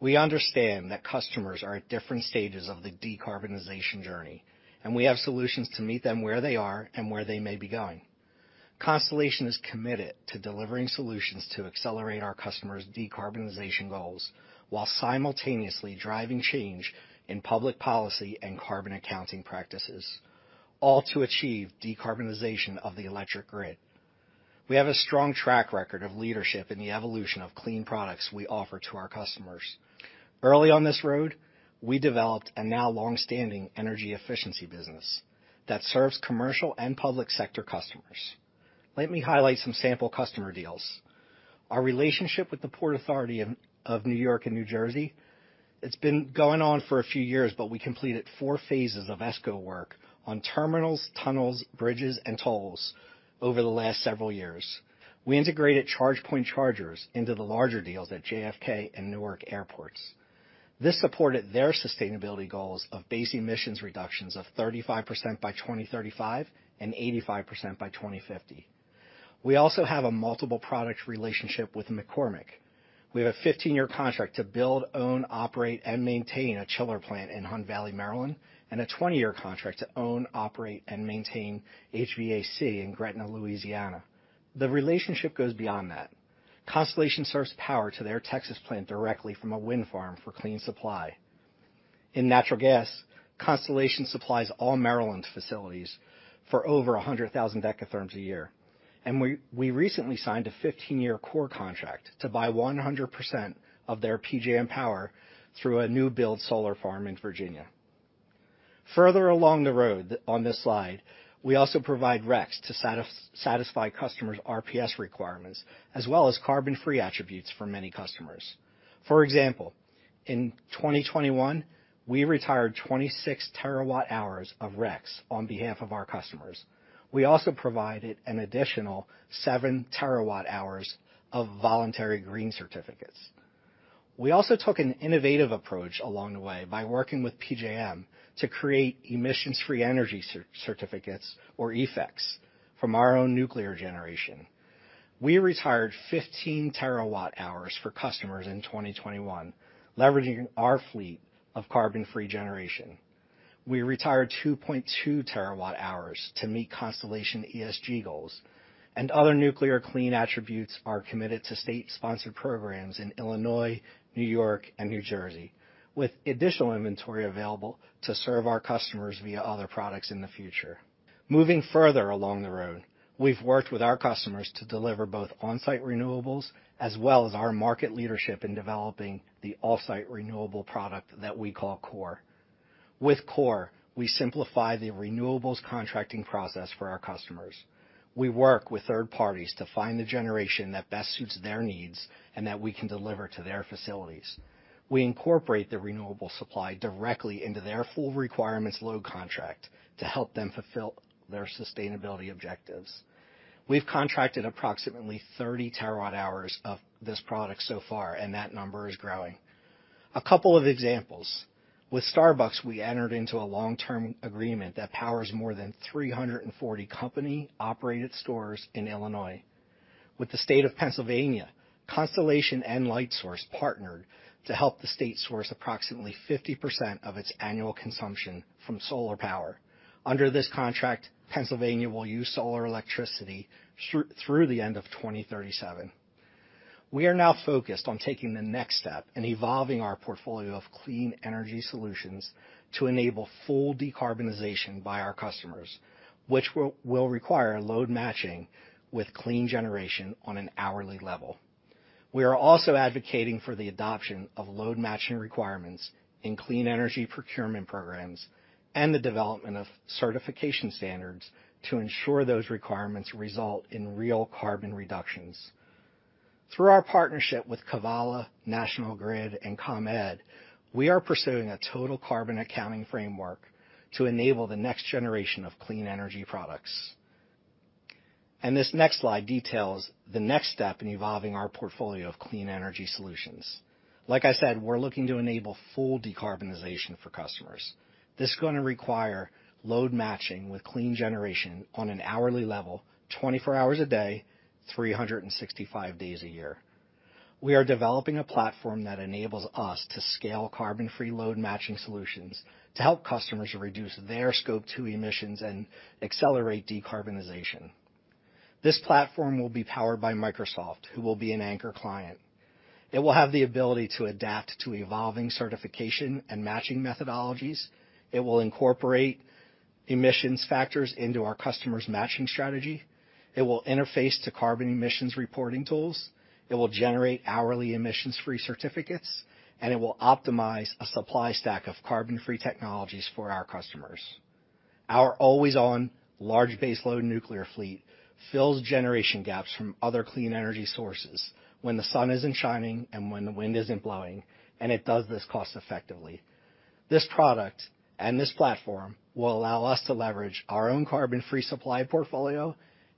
We understand that customers are at different stages of the decarbonization journey, and we have solutions to meet them where they are and where they may be going. Constellation is committed to delivering solutions to accelerate our customers' decarbonization goals while simultaneously driving change in public policy and carbon accounting practices, all to achieve decarbonization of the electric grid. We have a strong track record of leadership in the evolution of clean products we offer to our customers. Early on this road, we developed a now long-standing energy efficiency business that serves commercial and public sector customers. Let me highlight some sample customer deals. Our relationship with the Port Authority of New York and New Jersey, it's been going on for a few years, but we completed four phases of ESCO work on terminals, tunnels, bridges, and tolls over the last several years. We integrated ChargePoint chargers into the larger deals at JFK and Newark airports. This supported their sustainability goals of base emissions reductions of 35% by 2035 and 85% by 2050. We also have a multiple product relationship with McCormick. We have a 15-year contract to build, own, operate, and maintain a chiller plant in Hunt Valley, Maryland, and a 20-year contract to own, operate, and maintain HVAC in Gretna, Louisiana. The relationship goes beyond that. Constellation serves power to their Texas plant directly from a wind farm for clean supply. In natural gas, Constellation supplies all Maryland's facilities for over 100,000 decatherms a year. We recently signed a 15-year core contract to buy 100% of their PJM power through a new build solar farm in Virginia. Further along the road on this slide, we also provide RECs to satisfy customers' RPS requirements, as well as carbon-free attributes for many customers. For example, in 2021, we retired 26 terawatt-hours of RECs on behalf of our customers. We also provided an additional 7 terawatt-hours of voluntary green certificates. We also took an innovative approach along the way by working with PJM to create emissions-free energy certificates or EFECs from our own nuclear generation. We retired 15 terawatt-hours for customers in 2021, leveraging our fleet of carbon-free generation. We retired 2.2 terawatt-hours to meet Constellation ESG goals, and other nuclear clean attributes are committed to state-sponsored programs in Illinois, New York, and New Jersey, with additional inventory available to serve our customers via other products in the future. Moving further along the road, we've worked with our customers to deliver both on-site renewables as well as our market leadership in developing the off-site renewable product that we call CORE. With CORE, we simplify the renewables contracting process for our customers. We work with third parties to find the generation that best suits their needs and that we can deliver to their facilities. We incorporate the renewable supply directly into their full requirements load contract to help them fulfill their sustainability objectives. We've contracted approximately 30 terawatt hours of this product so far, and that number is growing. A couple of examples. With Starbucks, we entered into a long-term agreement that powers more than 340 company-operated stores in Illinois. With the state of Pennsylvania, Constellation and Lightsource partnered to help the state source approximately 50% of its annual consumption from solar power. Under this contract, Pennsylvania will use solar electricity through the end of 2037. We are now focused on taking the next step in evolving our portfolio of clean energy solutions to enable full decarbonization by our customers, which will require load matching with clean generation on an hourly level. We are also advocating for the adoption of load matching requirements in clean energy procurement programs and the development of certification standards to ensure those requirements result in real carbon reductions. Through our partnership with Kevala, National Grid, and ComEd, we are pursuing a total carbon accounting framework to enable the next generation of clean energy products. This next slide details the next step in evolving our portfolio of clean energy solutions. Like I said, we're looking to enable full decarbonization for customers. This is gonna require load matching with clean generation on an hourly level, 24 hours a day, 365 days a year. We are developing a platform that enables us to scale carbon-free load matching solutions to help customers reduce their Scope 2 emissions and accelerate decarbonization. This platform will be powered by Microsoft, who will be an anchor client. It will have the ability to adapt to evolving certification and matching methodologies. It will incorporate emissions factors into our customers' matching strategy. It will interface to carbon emissions reporting tools. It will generate hourly emissions-free certificates, and it will optimize a supply stack of carbon-free technologies for our customers. Our always-on large baseload nuclear fleet fills generation gaps from other clean energy sources when the sun isn't shining and when the wind isn't blowing, and it does this cost-effectively. This product and this platform will allow us to leverage our own carbon-free supply portfolio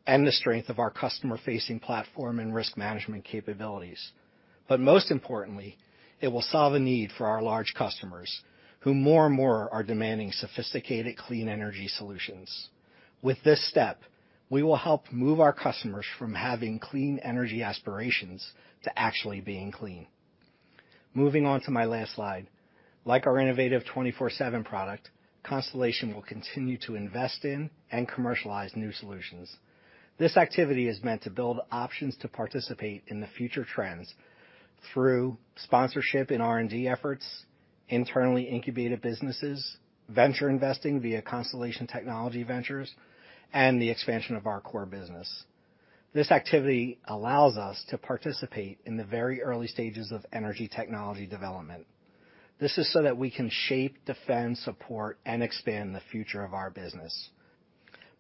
and the strength of our customer-facing platform and risk management capabilities. Most importantly, it will solve a need for our large customers who more and more are demanding sophisticated clean energy solutions. With this step, we will help move our customers from having clean energy aspirations to actually being clean. Moving on to my last slide. Like our innovative 24/7 product, Constellation will continue to invest in and commercialize new solutions. This activity is meant to build options to participate in the future trends through sponsorship in R&D efforts, internally incubated businesses, venture investing via Constellation Technology Ventures, and the expansion of our CORE business. This activity allows us to participate in the very early stages of energy technology development. This is so that we can shape, defend, support, and expand the future of our business.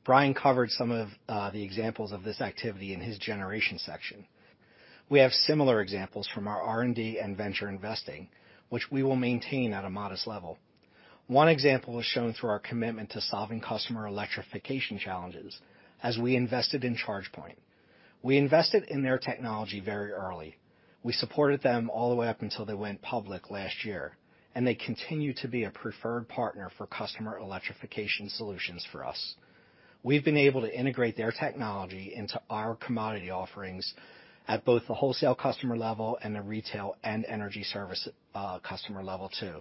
Bryan covered some of the examples of this activity in his generation section. We have similar examples from our R&D and venture investing, which we will maintain at a modest level. One example is shown through our commitment to solving customer electrification challenges as we invested in ChargePoint. We invested in their technology very early. We supported them all the way up until they went public last year, and they continue to be a preferred partner for customer electrification solutions for us. We've been able to integrate their technology into our commodity offerings at both the wholesale customer level and the retail and energy service customer level too.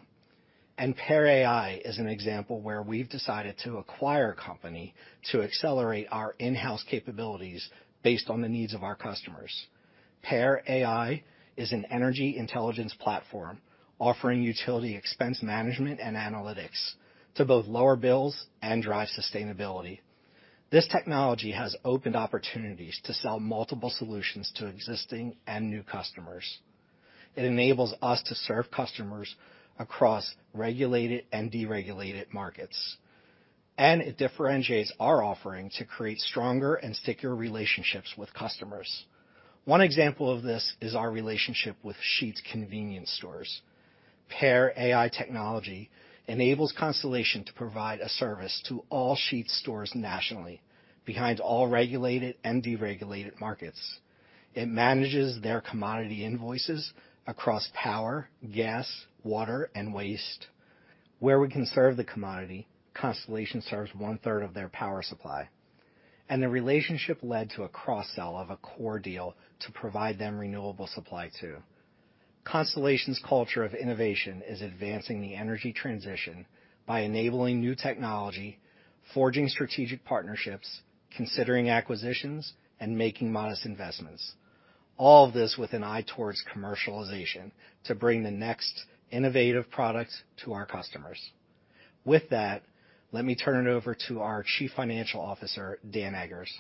PEAR.ai is an example where we've decided to acquire a company to accelerate our in-house capabilities based on the needs of our customers. PEAR.ai is an energy intelligence platform offering utility expense management and analytics to both lower bills and drive sustainability. This technology has opened opportunities to sell multiple solutions to existing and new customers. It enables us to serve customers across regulated and deregulated markets. It differentiates our offering to create stronger and stickier relationships with customers. One example of this is our relationship with Sheetz convenience stores. PEAR.ai technology enables Constellation to provide a service to all Sheetz stores nationally beyond all regulated and deregulated markets. It manages their commodity invoices across power, gas, water, and waste. Where we can serve the commodity, Constellation serves 1/3 of their power supply, and the relationship led to a cross-sell of a core deal to provide them renewable supply, too. Constellation's culture of innovation is advancing the energy transition by enabling new technology, forging strategic partnerships, considering acquisitions, and making modest investments. All of this with an eye towards commercialization to bring the next innovative products to our customers. With that, let me turn it over to our Chief Financial Officer, Dan Eggers.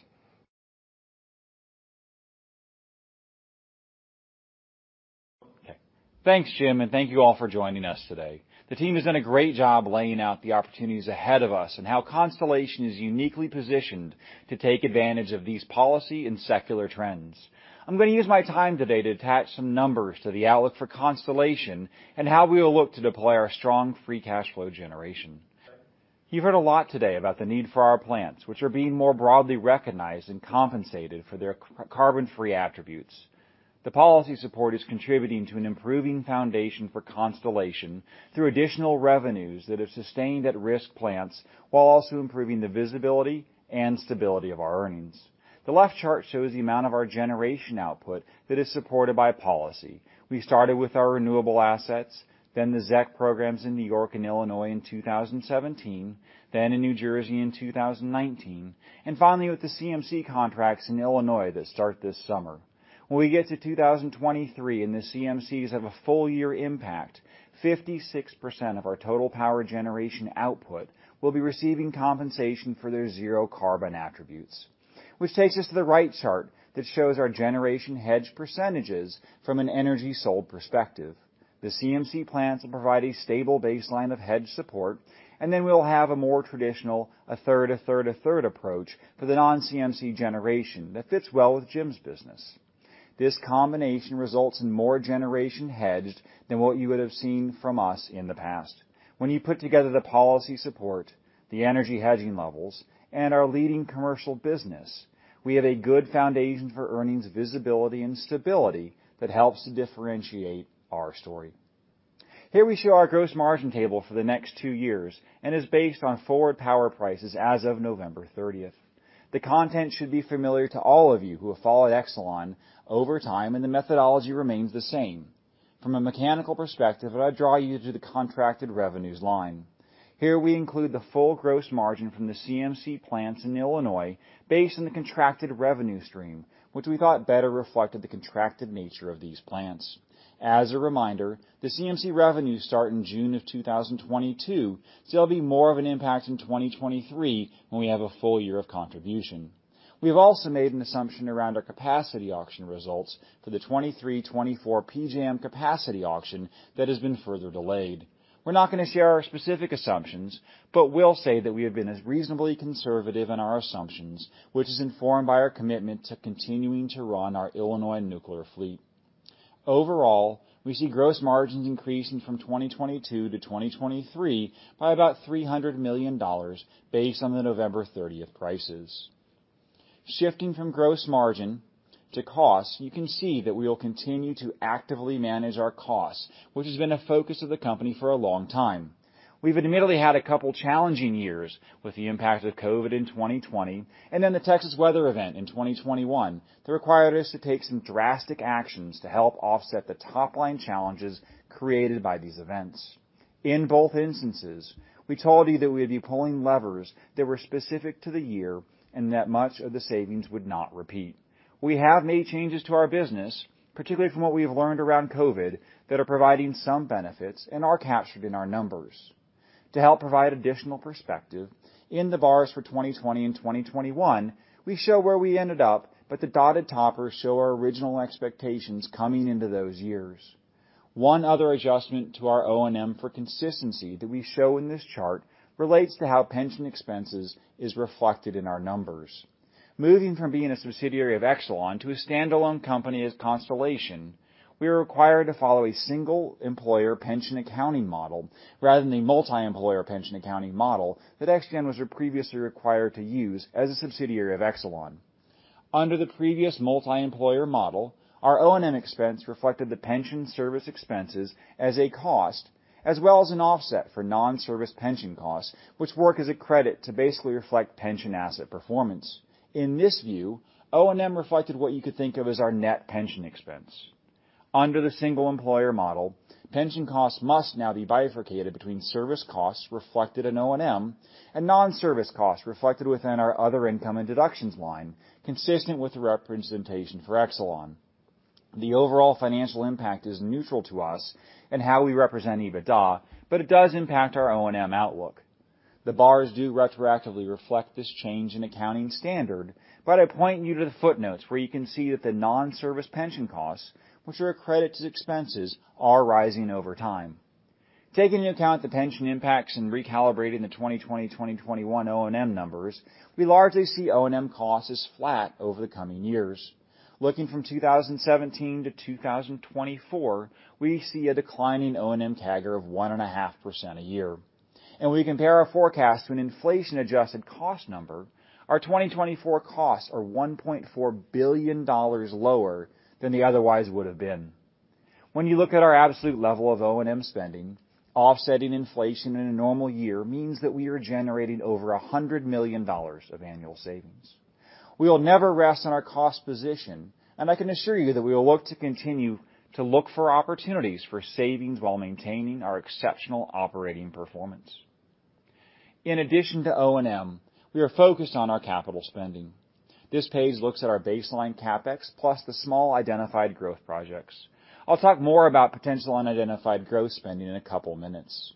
Okay. Thanks, Jim, and thank you all for joining us today. The team has done a great job laying out the opportunities ahead of us and how Constellation is uniquely positioned to take advantage of these policy and secular trends. I'm gonna use my time today to attach some numbers to the outlook for Constellation and how we will look to deploy our strong free cash flow generation. You've heard a lot today about the need for our plants, which are being more broadly recognized and compensated for their carbon-free attributes. The policy support is contributing to an improving foundation for Constellation through additional revenues that have sustained at-risk plants while also improving the visibility and stability of our earnings. The left chart shows the amount of our generation output that is supported by policy. We started with our renewable assets, then the ZEC programs in New York and Illinois in 2017, then in New Jersey in 2019, and finally, with the CMC contracts in Illinois that start this summer. When we get to 2023 and the CMCs have a full year impact, 56% of our total power generation output will be receiving compensation for their zero carbon attributes. Which takes us to the right chart that shows our generation hedge percentages from an energy sold perspective. The CMC plants will provide a stable baseline of hedge support, and then we'll have a more traditional a third, a third, a third approach for the non-CMC generation that fits well with Jim's business. This combination results in more generation hedged than what you would have seen from us in the past. When you put together the policy support, the energy hedging levels, and our leading commercial business, we have a good foundation for earnings visibility and stability that helps to differentiate our story. Here we show our gross margin table for the next two years and is based on forward power prices as of November 30. The content should be familiar to all of you who have followed Exelon over time, and the methodology remains the same. From a mechanical perspective, I draw you to the contracted revenues line. Here we include the full gross margin from the CMC plants in Illinois based on the contracted revenue stream, which we thought better reflected the contracted nature of these plants. As a reminder, the CMC revenues start in June of 2022, so it'll be more of an impact in 2023, when we have a full year of contribution. We have also made an assumption around our capacity auction results for the 2023-2024 PJM capacity auction that has been further delayed. We're not gonna share our specific assumptions, but we'll say that we have been as reasonably conservative in our assumptions, which is informed by our commitment to continuing to run our Illinois nuclear fleet. Overall, we see gross margins increasing from 2022 to 2023 by about $300 million based on the November 30 prices. Shifting from gross margin to cost, you can see that we will continue to actively manage our costs, which has been a focus of the company for a long time. We've admittedly had a couple challenging years with the impact of COVID in 2020 and then the Texas weather event in 2021 that required us to take some drastic actions to help offset the top-line challenges created by these events. In both instances, we told you that we'd be pulling levers that were specific to the year and that much of the savings would not repeat. We have made changes to our business, particularly from what we have learned around COVID, that are providing some benefits and are captured in our numbers. To help provide additional perspective, in the bars for 2020 and 2021, we show where we ended up, but the dotted toppers show our original expectations coming into those years. One other adjustment to our O&M for consistency that we show in this chart relates to how pension expenses is reflected in our numbers. Moving from being a subsidiary of Exelon to a standalone company as Constellation, we are required to follow a single-employer pension accounting model rather than the multi-employer pension accounting model that ExGen was previously required to use as a subsidiary of Exelon. Under the previous multi-employer model, our O&M expense reflected the pension service expenses as a cost as well as an offset for non-service pension costs, which work as a credit to basically reflect pension asset performance. In this view, O&M reflected what you could think of as our net pension expense. Under the single-employer model, pension costs must now be bifurcated between service costs reflected in O&M and non-service costs reflected within our other income and deductions line, consistent with the representation for Exelon. The overall financial impact is neutral to us and how we represent EBITDA, but it does impact our O&M outlook. The bars do retroactively reflect this change in accounting standard, but I point you to the footnotes where you can see that the non-service pension costs, which are a credit to expenses, are rising over time. Taking into account the pension impacts and recalibrating the 2020, 2021 O&M numbers, we largely see O&M costs as flat over the coming years. Looking from 2017 to 2024, we see a decline in O&M CAGR of 1.5% a year. We compare our forecast to an inflation-adjusted cost number. Our 2024 costs are $1.4 billion lower than they otherwise would have been. When you look at our absolute level of O&M spending, offsetting inflation in a normal year means that we are generating over $100 million of annual savings. We will never rest on our cost position, and I can assure you that we will look to continue to look for opportunities for savings while maintaining our exceptional operating performance. In addition to O&M, we are focused on our capital spending. This page looks at our baseline CapEx plus the small identified growth projects. I'll talk more about potential unidentified growth spending in a couple of minutes.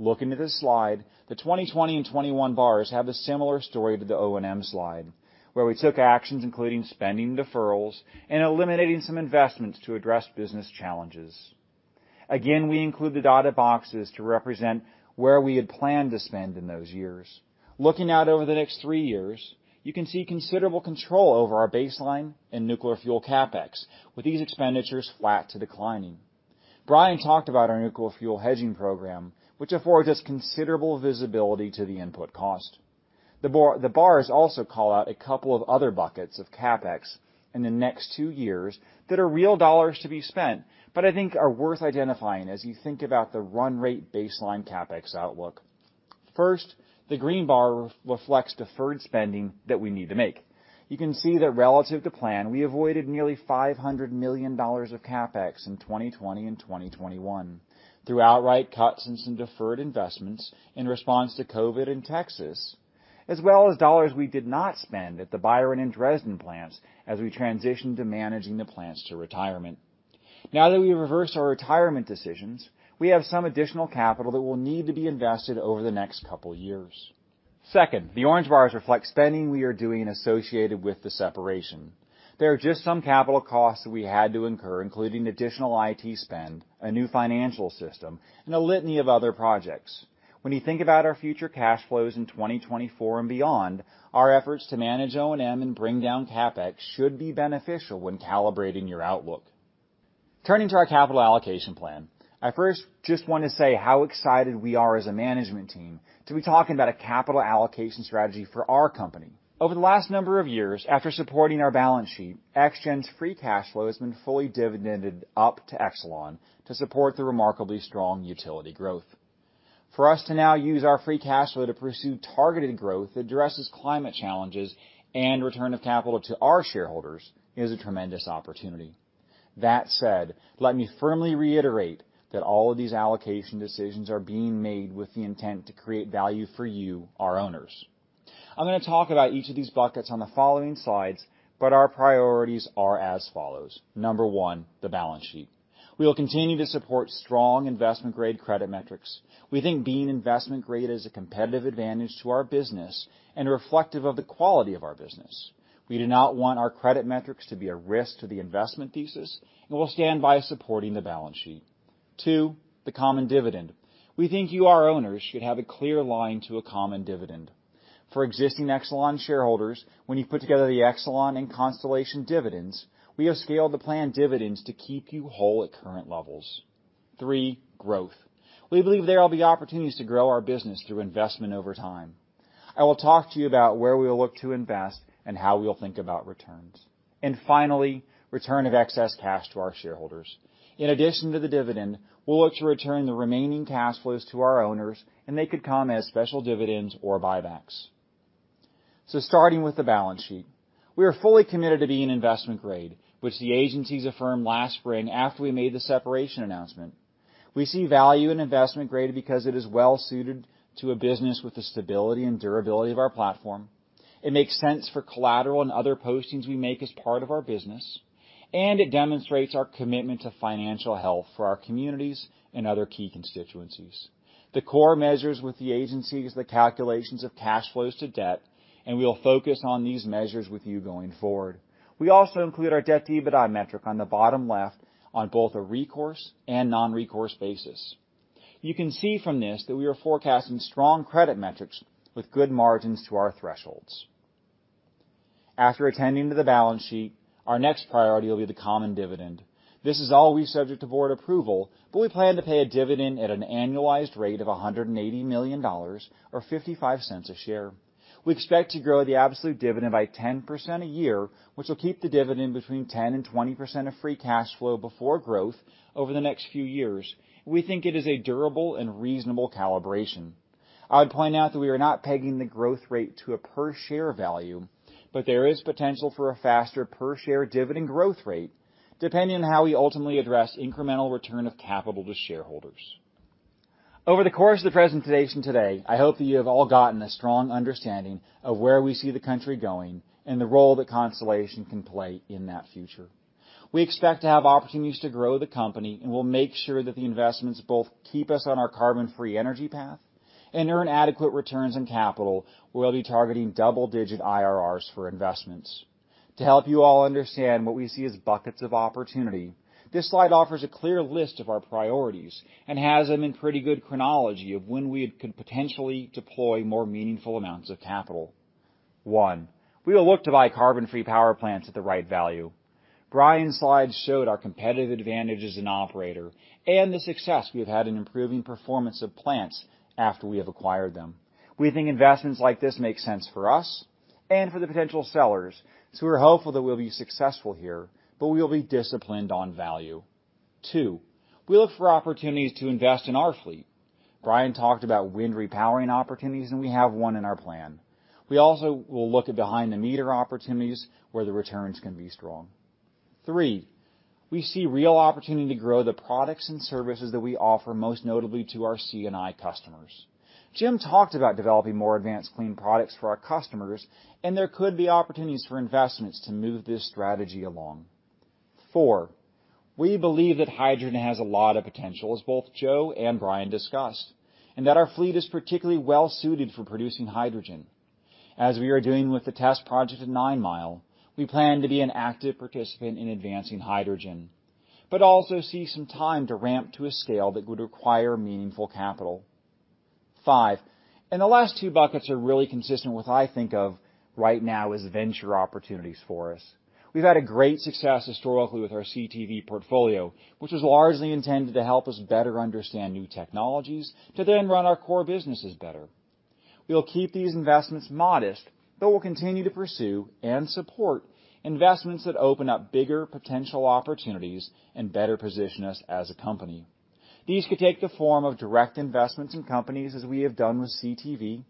Looking to this slide, the 2020 and 2021 bars have a similar story to the O&M slide, where we took actions including spending deferrals and eliminating some investments to address business challenges. Again, we include the dotted boxes to represent where we had planned to spend in those years. Looking out over the next three years, you can see considerable control over our baseline in nuclear fuel CapEx, with these expenditures flat to declining. Brian talked about our nuclear fuel hedging program, which affords us considerable visibility to the input cost. The bar, the bars also call out a couple of other buckets of CapEx in the next two years that are real dollars to be spent, but I think are worth identifying as you think about the run rate baseline CapEx outlook. First, the green bar reflects deferred spending that we need to make. You can see that relative to plan, we avoided nearly $500 million of CapEx in 2020 and 2021 through outright cuts and some deferred investments in response to COVID in Texas, as well as dollars we did not spend at the Byron and Dresden plants as we transitioned to managing the plants to retirement. Now that we reverse our retirement decisions, we have some additional capital that will need to be invested over the next couple of years. Second, the orange bars reflect spending we are doing associated with the separation. There are just some capital costs that we had to incur, including additional IT spend, a new financial system, and a litany of other projects. When you think about our future cash flows in 2024 and beyond, our efforts to manage O&M and bring down CapEx should be beneficial when calibrating your outlook. Turning to our capital allocation plan, I first just want to say how excited we are as a management team to be talking about a capital allocation strategy for our company. Over the last number of years after supporting our balance sheet, ExGen's free cash flow has been fully dividended up to Exelon to support the remarkably strong utility growth. For us to now use our free cash flow to pursue targeted growth that addresses climate challenges and return of capital to our shareholders is a tremendous opportunity. That said, let me firmly reiterate that all of these allocation decisions are being made with the intent to create value for you, our owners. I'm going to talk about each of these buckets on the following slides, but our priorities are as follows. Number one, the balance sheet. We will continue to support strong investment-grade credit metrics. We think being investment-grade is a competitive advantage to our business and reflective of the quality of our business. We do not want our credit metrics to be a risk to the investment thesis, and we'll stand by supporting the balance sheet. Two, the common dividend. We think you, our owners, should have a clear line to a common dividend. For existing Exelon shareholders, when you put together the Exelon and Constellation dividends, we have scaled the planned dividends to keep you whole at current levels. Three, growth. We believe there will be opportunities to grow our business through investment over time. I will talk to you about where we will look to invest and how we'll think about returns. Finally, return of excess cash to our shareholders. In addition to the dividend, we'll look to return the remaining cash flows to our owners, and they could come as special dividends or buybacks. Starting with the balance sheet, we are fully committed to being investment grade, which the agencies affirmed last spring after we made the separation announcement. We see value in investment grade because it is well-suited to a business with the stability and durability of our platform. It makes sense for collateral and other postings we make as part of our business, and it demonstrates our commitment to financial health for our communities and other key constituencies. The core measures with the agency is the calculations of cash flows to debt, and we will focus on these measures with you going forward. We also include our debt-to-EBITDA metric on the bottom left on both a recourse and non-recourse basis. You can see from this that we are forecasting strong credit metrics with good margins to our thresholds. After attending to the balance sheet, our next priority will be the common dividend. This is always subject to board approval, but we plan to pay a dividend at an annualized rate of $180 million or $0.55 a share. We expect to grow the absolute dividend by 10% a year, which will keep the dividend between 10%-20% of free cash flow before growth over the next few years. We think it is a durable and reasonable calibration. I would point out that we are not pegging the growth rate to a per-share value, but there is potential for a faster per-share dividend growth rate depending on how we ultimately address incremental return of capital to shareholders. Over the course of the presentation today, I hope that you have all gotten a strong understanding of where we see the country going and the role that Constellation can play in that future. We expect to have opportunities to grow the company, and we'll make sure that the investments both keep us on our carbon-free energy path and earn adequate returns on capital. We'll be targeting double-digit IRRs for investments. To help you all understand what we see as buckets of opportunity, this slide offers a clear list of our priorities and has them in pretty good chronology of when we could potentially deploy more meaningful amounts of capital. One, we will look to buy carbon-free power plants at the right value. Brian's slides showed our competitive advantage as an operator and the success we have had in improving performance of plants after we have acquired them. We think investments like this make sense for us and for the potential sellers, so we're hopeful that we'll be successful here, but we will be disciplined on value. Two, we look for opportunities to invest in our fleet. Brian talked about wind repowering opportunities, and we have one in our plan. We also will look at behind-the-meter opportunities where the returns can be strong. Three, we see real opportunity to grow the products and services that we offer, most notably to our C&I customers. Jim talked about developing more advanced clean products for our customers, and there could be opportunities for investments to move this strategy along. Four, we believe that hydrogen has a lot of potential, as both Joe and Brian discussed, and that our fleet is particularly well suited for producing hydrogen. As we are doing with the test project at Nine Mile, we plan to be an active participant in advancing hydrogen, but also see some time to ramp to a scale that would require meaningful capital. Five, the last two buckets are really consistent with what I think of right now as venture opportunities for us. We've had a great success historically with our CTV portfolio, which was largely intended to help us better understand new technologies to then run our core businesses better. We'll keep these investments modest, but we'll continue to pursue and support investments that open up bigger potential opportunities and better position us as a company. These could take the form of direct investments in companies, as we have done with CTV,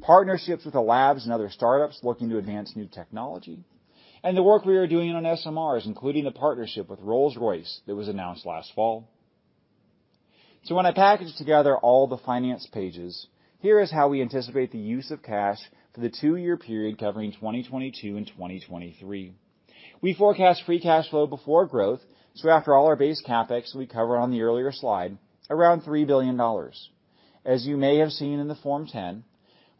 partnerships with the labs and other startups looking to advance new technology, and the work we are doing on SMRs, including a partnership with Rolls-Royce that was announced last fall. When I package together all the finance pages, here is how we anticipate the use of cash for the two-year period covering 2022 and 2023. We forecast free cash flow before growth, so after all our base CapEx we cover on the earlier slide, around $3 billion. As you may have seen in the Form 10,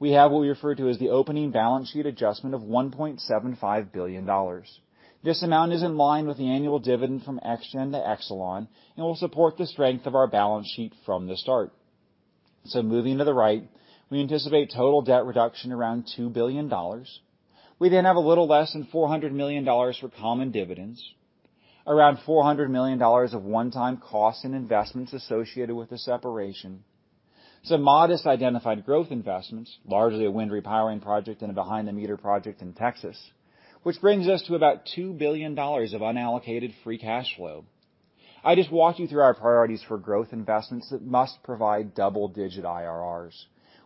we have what we refer to as the opening balance sheet adjustment of $1.75 billion. This amount is in line with the annual dividend from ExGen to Exelon and will support the strength of our balance sheet from the start. Moving to the right, we anticipate total debt reduction around $2 billion. We then have a little less than $400 million for common dividends, around $400 million of one-time costs and investments associated with the separation. Some modest identified growth investments, largely a wind repowering project and a behind-the-meter project in Texas, which brings us to about $2 billion of unallocated free cash flow. I just walked you through our priorities for growth investments that must provide double-digit IRRs.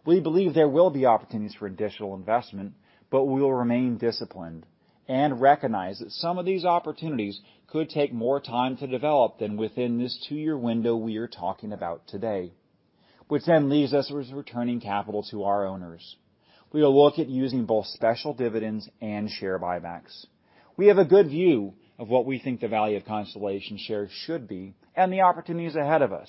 We believe there will be opportunities for additional investment, but we will remain disciplined and recognize that some of these opportunities could take more time to develop than within this two-year window we are talking about today, which then leaves us with returning capital to our owners. We will look at using both special dividends and share buybacks. We have a good view of what we think the value of Constellation shares should be and the opportunities ahead of us,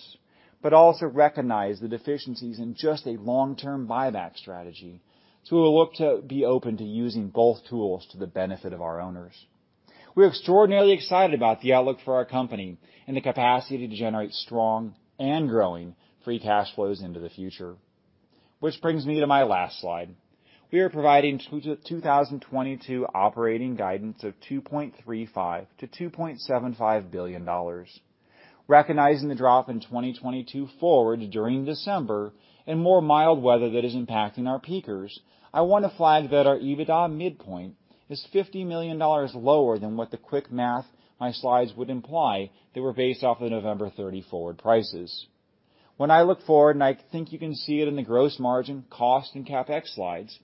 but also recognize the deficiencies in just a long-term buyback strategy, so we'll look to be open to using both tools to the benefit of our owners. We're extraordinarily excited about the outlook for our company and the capacity to generate strong and growing free cash flows into the future. Which brings me to my last slide. We are providing 2022 operating guidance of $2.35 billion-$2.75 billion. Recognizing the drop in 2022 forward during December and more mild weather that is impacting our peakers, I want to flag that our EBITDA midpoint is $50 million lower than what the quick math my slides would imply that were based off the November 30 forward prices. When I look forward, I think you can see it in the gross margin, cost, and CapEx slides.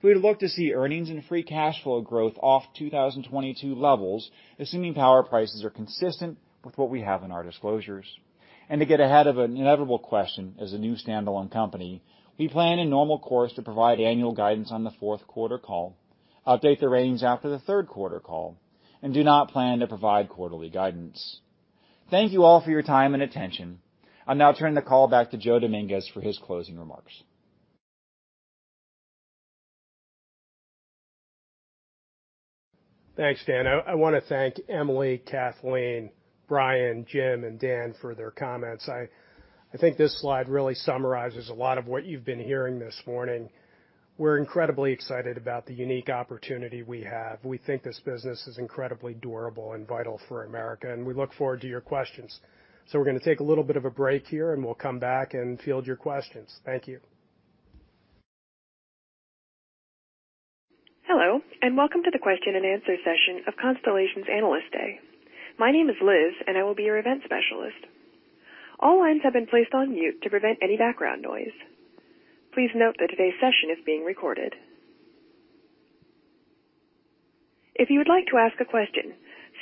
We'd look to see earnings and free cash flow growth off 2022 levels, assuming power prices are consistent with what we have in our disclosures. To get ahead of an inevitable question, as a new standalone company, we plan in normal course to provide annual guidance on the fourth quarter call, update the range after the third quarter call, and do not plan to provide quarterly guidance. Thank you all for your time and attention. I'll now turn the call back to Joe Dominguez for his closing remarks. Thanks, Dan. I wanna thank Emily, Kathleen, Brian, Jim, and Dan for their comments. I think this slide really summarizes a lot of what you've been hearing this morning. We're incredibly excited about the unique opportunity we have. We think this business is incredibly durable and vital for America, and we look forward to your questions. We're gonna take a little bit of a break here, and we'll come back and field your questions. Thank you. Hello, and welcome to the question-and-answer session of Constellation's Analyst Day. My name is Liz, and I will be your event specialist. All lines have been placed on mute to prevent any background noise. Please note that today's session is being recorded. If you would like to ask a question,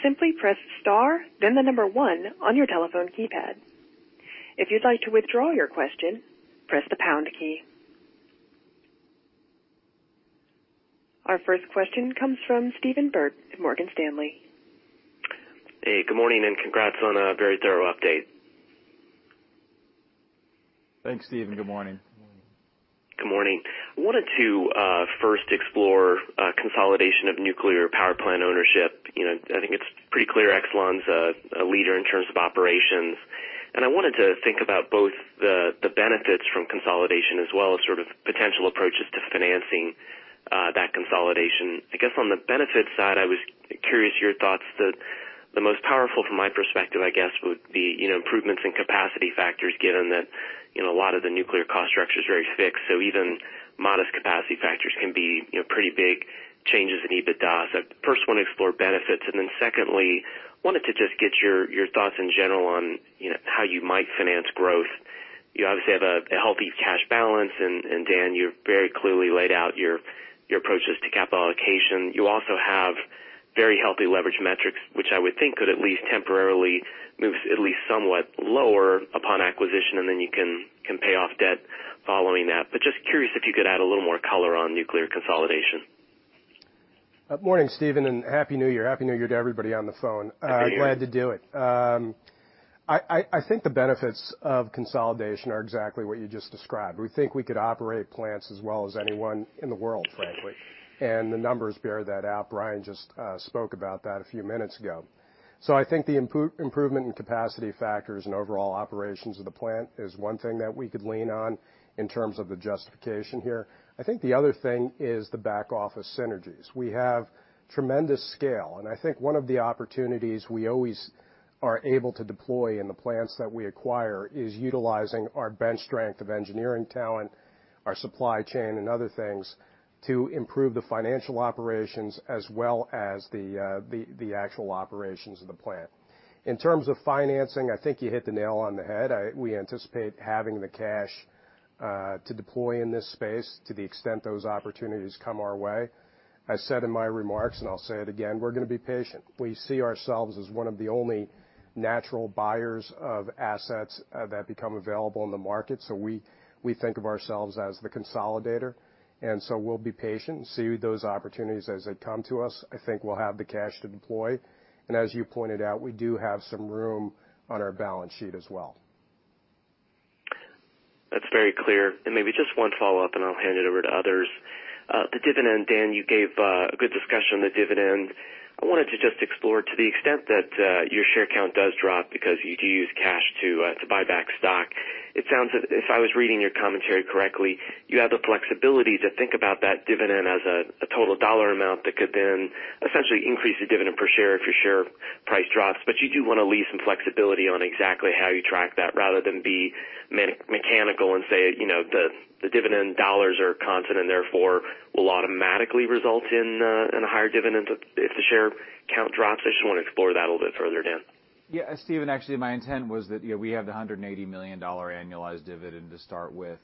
simply press star then the number one on your telephone keypad. If you'd like to withdraw your question, press the pound key. Our first question comes from Stephen Byrd at Morgan Stanley. Hey, good morning, and congrats on a very thorough update. Thanks, Stephen. Good morning. Good morning. I wanted to first explore consolidation of nuclear power plant ownership. You know, I think it's pretty clear Exelon's a leader in terms of operations. I wanted to think about both the benefits from consolidation as well as sort of potential approaches to financing that consolidation. I guess on the benefits side, I was curious your thoughts. The most powerful from my perspective, I guess, would be, you know, improvements in capacity factors given that, you know, a lot of the nuclear cost structure is very fixed, so even modest capacity factors can be, you know, pretty big changes in EBITDA. First want to explore benefits. Then secondly, wanted to just get your thoughts in general on, you know, how you might finance growth. You obviously have a healthy cash balance. Dan, you've very clearly laid out your approaches to capital allocation. You also have very healthy leverage metrics, which I would think could at least temporarily move at least somewhat lower upon acquisition, and then you can pay off debt following that. Just curious if you could add a little more color on nuclear consolidation. Morning, Stephen, and Happy New Year. Happy New Year to everybody on the phone. Happy New Year. Glad to do it. I think the benefits of consolidation are exactly what you just described. We think we could operate plants as well as anyone in the world, frankly, and the numbers bear that out. Brian just spoke about that a few minutes ago. I think the improvement in capacity factors and overall operations of the plant is one thing that we could lean on in terms of the justification here. I think the other thing is the back office synergies. We have tremendous scale, and I think one of the opportunities we always are able to deploy in the plants that we acquire is utilizing our bench strength of engineering talent, our supply chain, and other things to improve the financial operations as well as the actual operations of the plant. In terms of financing, I think you hit the nail on the head. We anticipate having the cash to deploy in this space to the extent those opportunities come our way. I said in my remarks, and I'll say it again, we're gonna be patient. We see ourselves as one of the only natural buyers of assets that become available in the market, so we think of ourselves as the consolidator. We'll be patient and see those opportunities as they come to us. I think we'll have the cash to deploy. As you pointed out, we do have some room on our balance sheet as well. That's very clear. Maybe just one follow-up, and I'll hand it over to others. The dividend, Dan, you gave a good discussion on the dividend. I wanted to just explore to the extent that your share count does drop because you do use cash to buy back stock. It sounds as if I was reading your commentary correctly, you have the flexibility to think about that dividend as a total dollar amount that could then essentially increase the dividend per share if your share price drops. But you do want to leave some flexibility on exactly how you track that rather than be mechanical and say, you know, the dividend dollars are constant and therefore will automatically result in a higher dividend if the share count drops. I just want to explore that a little bit further, Dan. Yeah. Stephen, actually, my intent was that, you know, we have the $180 million annualized dividend to start with.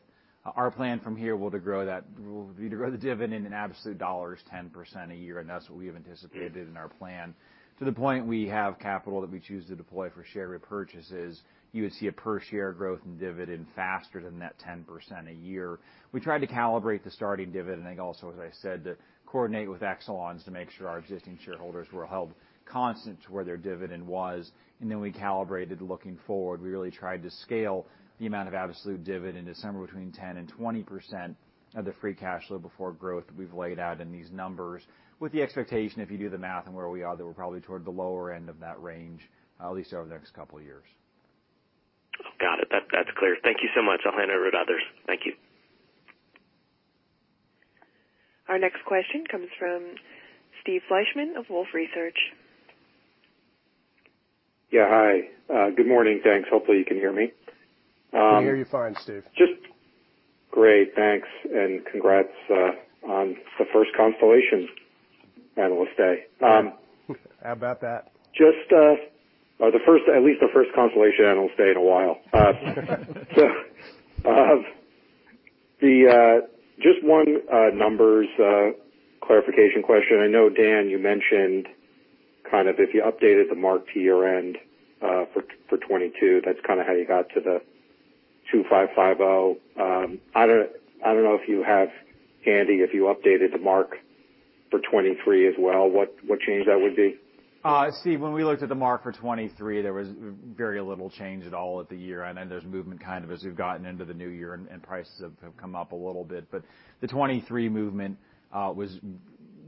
Our plan from here will be to grow the dividend in absolute dollars 10% a year, and that's what we have anticipated in our plan. To the point we have capital that we choose to deploy for share repurchases, you would see a per share growth in dividend faster than that 10% a year. We tried to calibrate the starting dividend, I think also, as I said, to coordinate with Exelon's to make sure our existing shareholders were held constant to where their dividend was, and then we calibrated looking forward. We really tried to scale the amount of absolute dividend to somewhere between 10%-20% of the free cash flow before growth that we've laid out in these numbers with the expectation, if you do the math on where we are, that we're probably toward the lower end of that range, at least over the next couple of years. Got it. That's clear. Thank you so much. I'll hand over to others. Thank you. Our next question comes from Steve Fleishman of Wolfe Research. Yeah. Hi. Good morning. Thanks. Hopefully, you can hear me. can hear you fine, Steve. Great. Thanks, and congrats on the first Constellation Analyst Day. How about that? At least the first Constellation Analyst Day in a while. Just one number clarification question. I know, Dan, you mentioned kind of if you updated the mark-to-market for 2022, that's kinda how you got to the 2,550. I don't know if you have handy if you updated the mark-to-market for 2023 as well, what change that would be. Steve, when we looked at the mark for 2023, there was very little change at all for the year. Then there's movement kind of as we've gotten into the new year and prices have come up a little bit. The 2023 movement was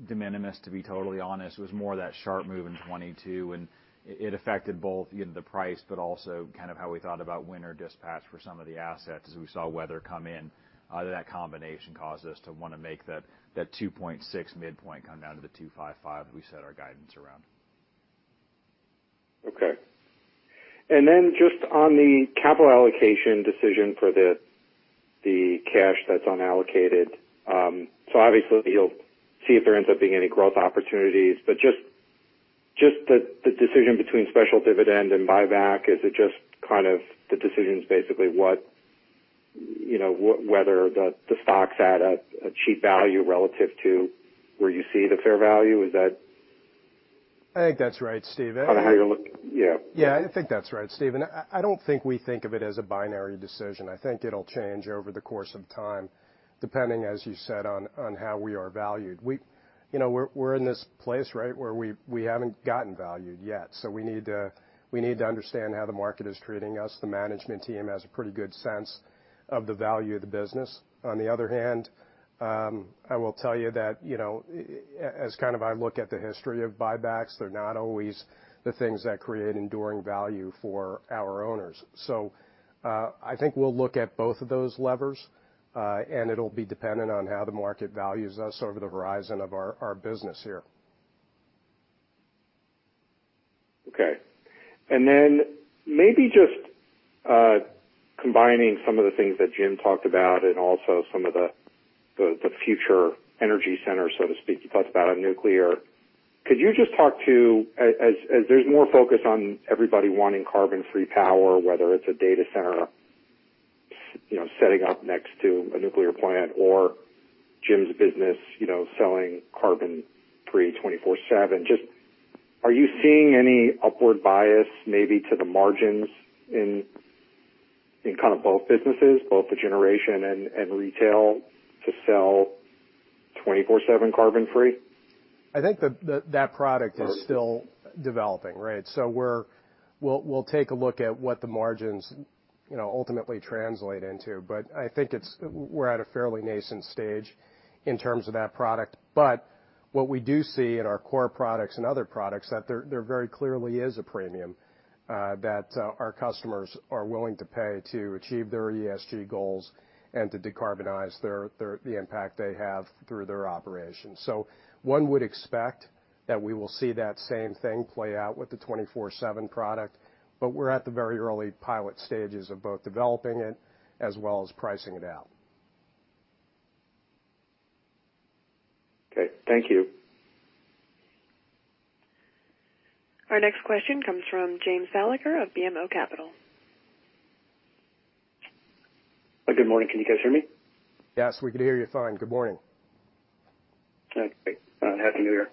de minimis, to be totally honest. It was more that sharp move in 2022, and it affected both, you know, the price, but also kind of how we thought about winter dispatch for some of the assets as we saw weather come in. That combination caused us to wanna make that $2.6 midpoint come down to the $2.55 that we set our guidance around. Okay. Just on the capital allocation decision for the cash that's unallocated. Obviously, you'll see if there ends up being any growth opportunities. Just the decision between special dividend and buyback, is it just kind of the decision's basically what, you know, whether the stock's at a cheap value relative to where you see the fair value? Is that- I think that's right, Steve. Yeah. Yeah, I think that's right, Steve. I don't think we think of it as a binary decision. I think it'll change over the course of time, depending, as you said, on how we are valued. You know, we're in this place, right? Where we haven't gotten valued yet, so we need to understand how the market is treating us. The management team has a pretty good sense of the value of the business. On the other hand, I will tell you that, you know, as kind of I look at the history of buybacks, they're not always the things that create enduring value for our owners. I think we'll look at both of those levers, and it'll be dependent on how the market values us over the horizon of our business here. Okay. Maybe just combining some of the things that Jim talked about and also some of the future energy centers, so to speak. You talked about on nuclear. Could you just talk to us as there's more focus on everybody wanting carbon-free power, whether it's a data center, you know, setting up next to a nuclear plant or Jim's business, you know, selling carbon-free 24/7. Just, are you seeing any upward bias maybe to the margins in kind of both businesses, both the generation and retail to sell 24/7 carbon-free? I think that product is still developing, right? We'll take a look at what the margins, you know, ultimately translate into. I think we're at a fairly nascent stage in terms of that product. What we do see in our core products and other products, that there very clearly is a premium that our customers are willing to pay to achieve their ESG goals and to decarbonize the impact they have through their operations. One would expect that we will see that same thing play out with the 24/7 product, but we're at the very early pilot stages of both developing it as well as pricing it out. Okay, thank you. Our next question comes from James Thalacker of BMO Capital Markets. Good morning. Can you guys hear me? Yes, we can hear you fine. Good morning. Okay. Happy New Year.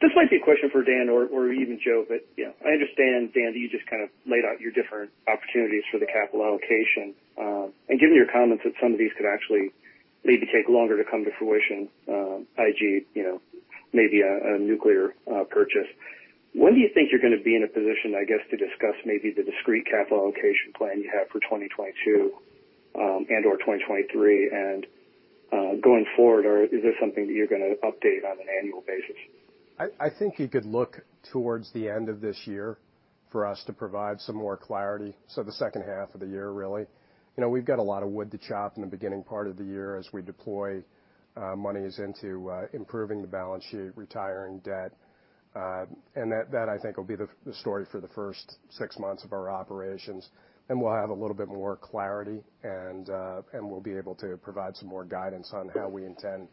This might be a question for Dan or even Joe, but you know, I understand, Dan, that you just kind of laid out your different opportunities for the capital allocation. Given your comments that some of these could actually maybe take longer to come to fruition, e.g., you know, maybe a nuclear purchase. When do you think you're gonna be in a position, I guess, to discuss maybe the discrete capital allocation plan you have for 2022, and/or 2023? Going forward, or is this something that you're gonna update on an annual basis? I think you could look towards the end of this year for us to provide some more clarity, so the second half of the year really. You know, we've got a lot of wood to chop in the beginning part of the year as we deploy monies into improving the balance sheet, retiring debt. That I think will be the story for the first six months of our operations. We'll have a little bit more clarity, and we'll be able to provide some more guidance on how we intend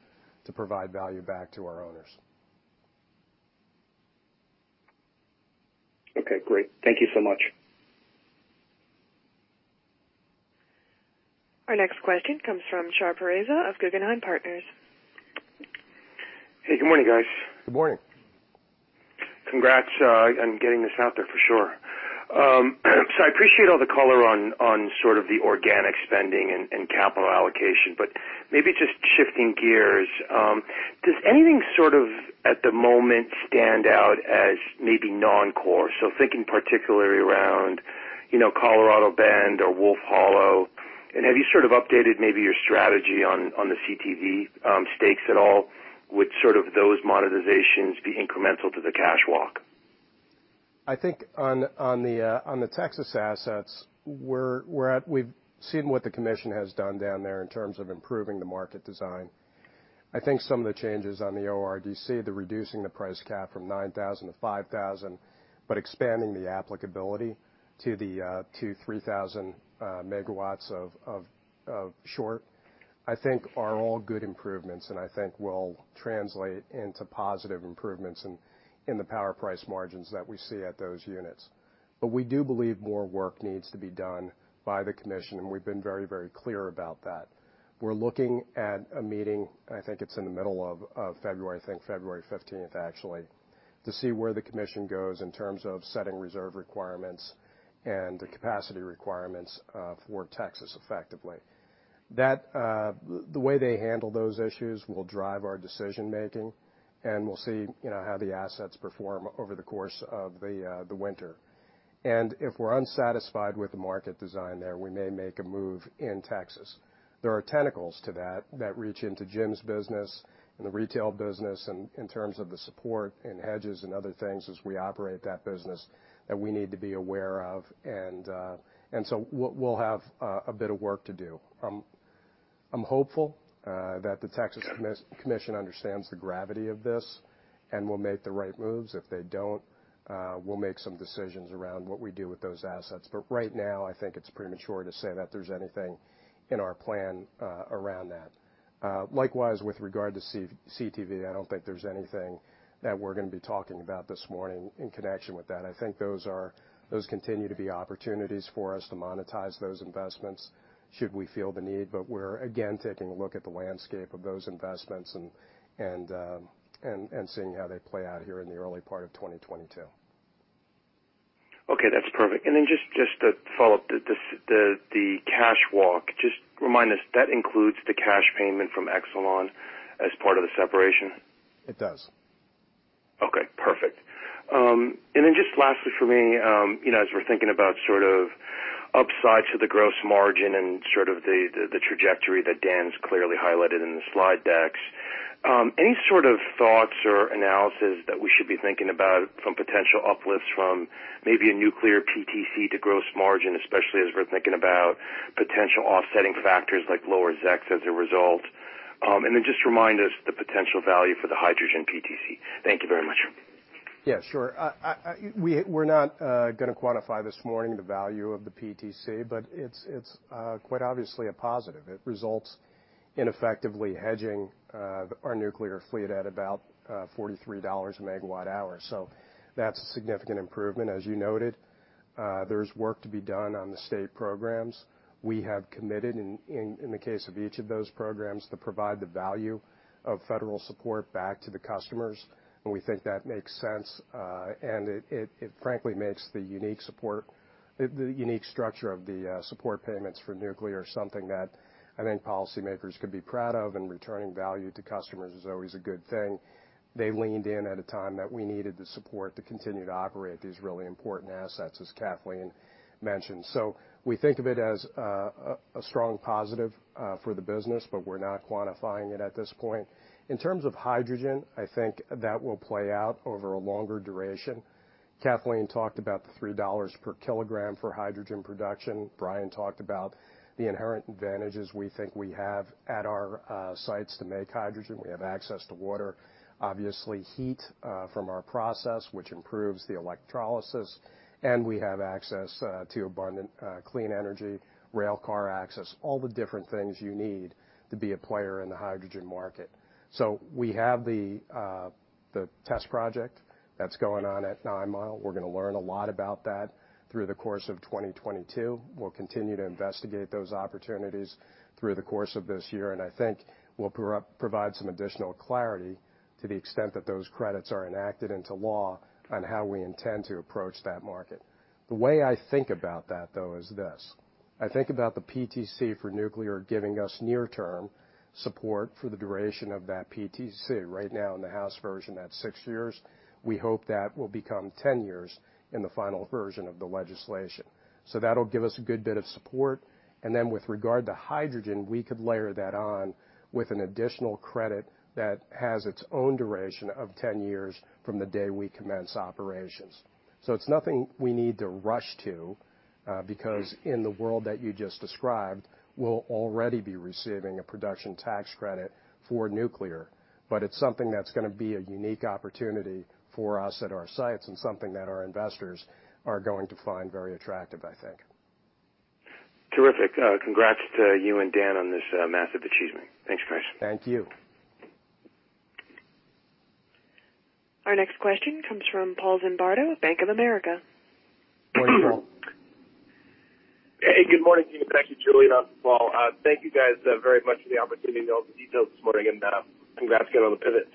to provide value back to our owners. Okay, great. Thank you so much. Our next question comes from Shar Pourreza of Guggenheim Partners. Hey, good morning, guys. Good morning. Congrats on getting this out there for sure. I appreciate all the color on sort of the organic spending and capital allocation, but maybe just shifting gears. Does anything sort of at the moment stand out as maybe non-core? Thinking particularly around, you know, Colorado Bend or Wolf Hollow, and have you sort of updated maybe your strategy on the CTV stakes at all? Would sort of those monetizations be incremental to the cash walk? I think on the Texas assets, we've seen what the commission has done down there in terms of improving the market design. I think some of the changes on the ORDC, reducing the price cap from 9,000 to 5,000, but expanding the applicability to the 2,000-3,000 MW of shortage, I think are all good improvements, and I think will translate into positive improvements in the power price margins that we see at those units. We do believe more work needs to be done by the commission, and we've been very clear about that. We're looking at a meeting, I think it's in the middle of February, I think February fifteenth actually, to see where the commission goes in terms of setting reserve requirements and the capacity requirements for Texas effectively. That the way they handle those issues will drive our decision-making, and we'll see, you know, how the assets perform over the course of the winter. If we're unsatisfied with the market design there, we may make a move in Texas. There are tentacles to that that reach into Jim's business and the retail business in terms of the support and hedges and other things as we operate that business that we need to be aware of. We'll have a bit of work to do. I'm hopeful that the Texas Commission understands the gravity of this and will make the right moves. If they don't, we'll make some decisions around what we do with those assets. Right now, I think it's premature to say that there's anything in our plan around that. Likewise with regard to CTV, I don't think there's anything that we're gonna be talking about this morning in connection with that. I think those continue to be opportunities for us to monetize those investments should we feel the need. We're again taking a look at the landscape of those investments and seeing how they play out here in the early part of 2022. Okay, that's perfect. Just to follow up, the cash walk, just remind us, that includes the cash payment from Exelon as part of the separation? It does. Okay, perfect. Just lastly for me, you know, as we're thinking about sort of upside to the gross margin and sort of the trajectory that Dan's clearly highlighted in the slide decks, any sort of thoughts or analysis that we should be thinking about from potential uplifts from maybe a nuclear PTC to gross margin, especially as we're thinking about potential offsetting factors like lower ZECs as a result Just remind us the potential value for the hydrogen PTC. Thank you very much. Yeah, sure. We're not gonna quantify this morning the value of the PTC, but it's quite obviously a positive. It results in effectively hedging our nuclear fleet at about $43/MWh. That's a significant improvement. As you noted, there's work to be done on the state programs. We have committed in the case of each of those programs to provide the value of federal support back to the customers, and we think that makes sense. It frankly makes the unique support, the unique structure of the support payments for nuclear something that I think policymakers could be proud of, and returning value to customers is always a good thing. They leaned in at a time that we needed the support to continue to operate these really important assets, as Kathleen mentioned. We think of it as a strong positive for the business, but we're not quantifying it at this point. In terms of hydrogen, I think that will play out over a longer duration. Kathleen talked about the $3 per kilogram for hydrogen production. Brian talked about the inherent advantages we think we have at our sites to make hydrogen. We have access to water, obviously heat from our process, which improves the electrolysis, and we have access to abundant clean energy, railcar access, all the different things you need to be a player in the hydrogen market. We have the test project that's going on at Nine Mile. We're gonna learn a lot about that through the course of 2022. We'll continue to investigate those opportunities through the course of this year, and I think we'll provide some additional clarity to the extent that those credits are enacted into law on how we intend to approach that market. The way I think about that, though, is this. I think about the PTC for nuclear giving us near-term support for the duration of that PTC. Right now in the House version, that's six years. We hope that will become 10 years in the final version of the legislation. That'll give us a good bit of support. With regard to hydrogen, we could layer that on with an additional credit that has its own duration of 10 years from the day we commence operations. It's nothing we need to rush to, because in the world that you just described, we'll already be receiving a production tax credit for nuclear. It's something that's gonna be a unique opportunity for us at our sites and something that our investors are going to find very attractive, I think. Terrific. Congrats to you and Dan on this massive achievement. Thanks, guys. Thank you. Our next question comes from Paul Zimbardo, Bank of America. Morning, Paul. Hey, good morning to you. Thank you, Julie, and also Paul. Thank you guys very much for the opportunity to go over the details this morning, and congrats again on the pivot.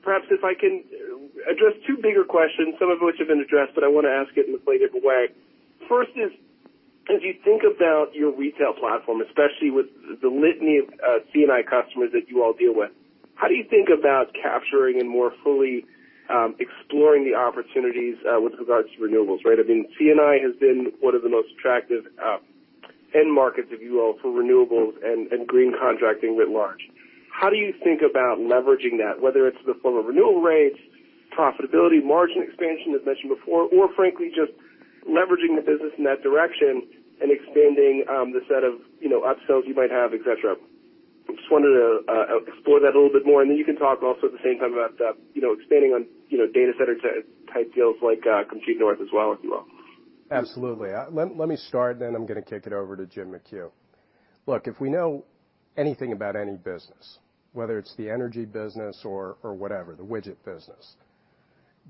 Perhaps if I can address two bigger questions, some of which have been addressed, but I wanna ask it in a slightly different way. First is, as you think about your retail platform, especially with the litany of C&I customers that you all deal with, how do you think about capturing and more fully exploring the opportunities with regards to renewables, right? I mean, C&I has been one of the most attractive end markets of you all for renewables and green contracting writ large. How do you think about leveraging that, whether it's in the form of renewal rates, profitability, margin expansion, as mentioned before, or frankly, just leveraging the business in that direction and expanding, the set of, you know, upsells you might have, et cetera? I just wanted to explore that a little bit more, and then you can talk also at the same time about, you know, expanding on, you know, data center type deals like, Compute North as well, if you will. Absolutely. Let me start, then I'm gonna kick it over to Jim McHugh. Look, if we know anything about any business, whether it's the energy business or whatever, the widget business,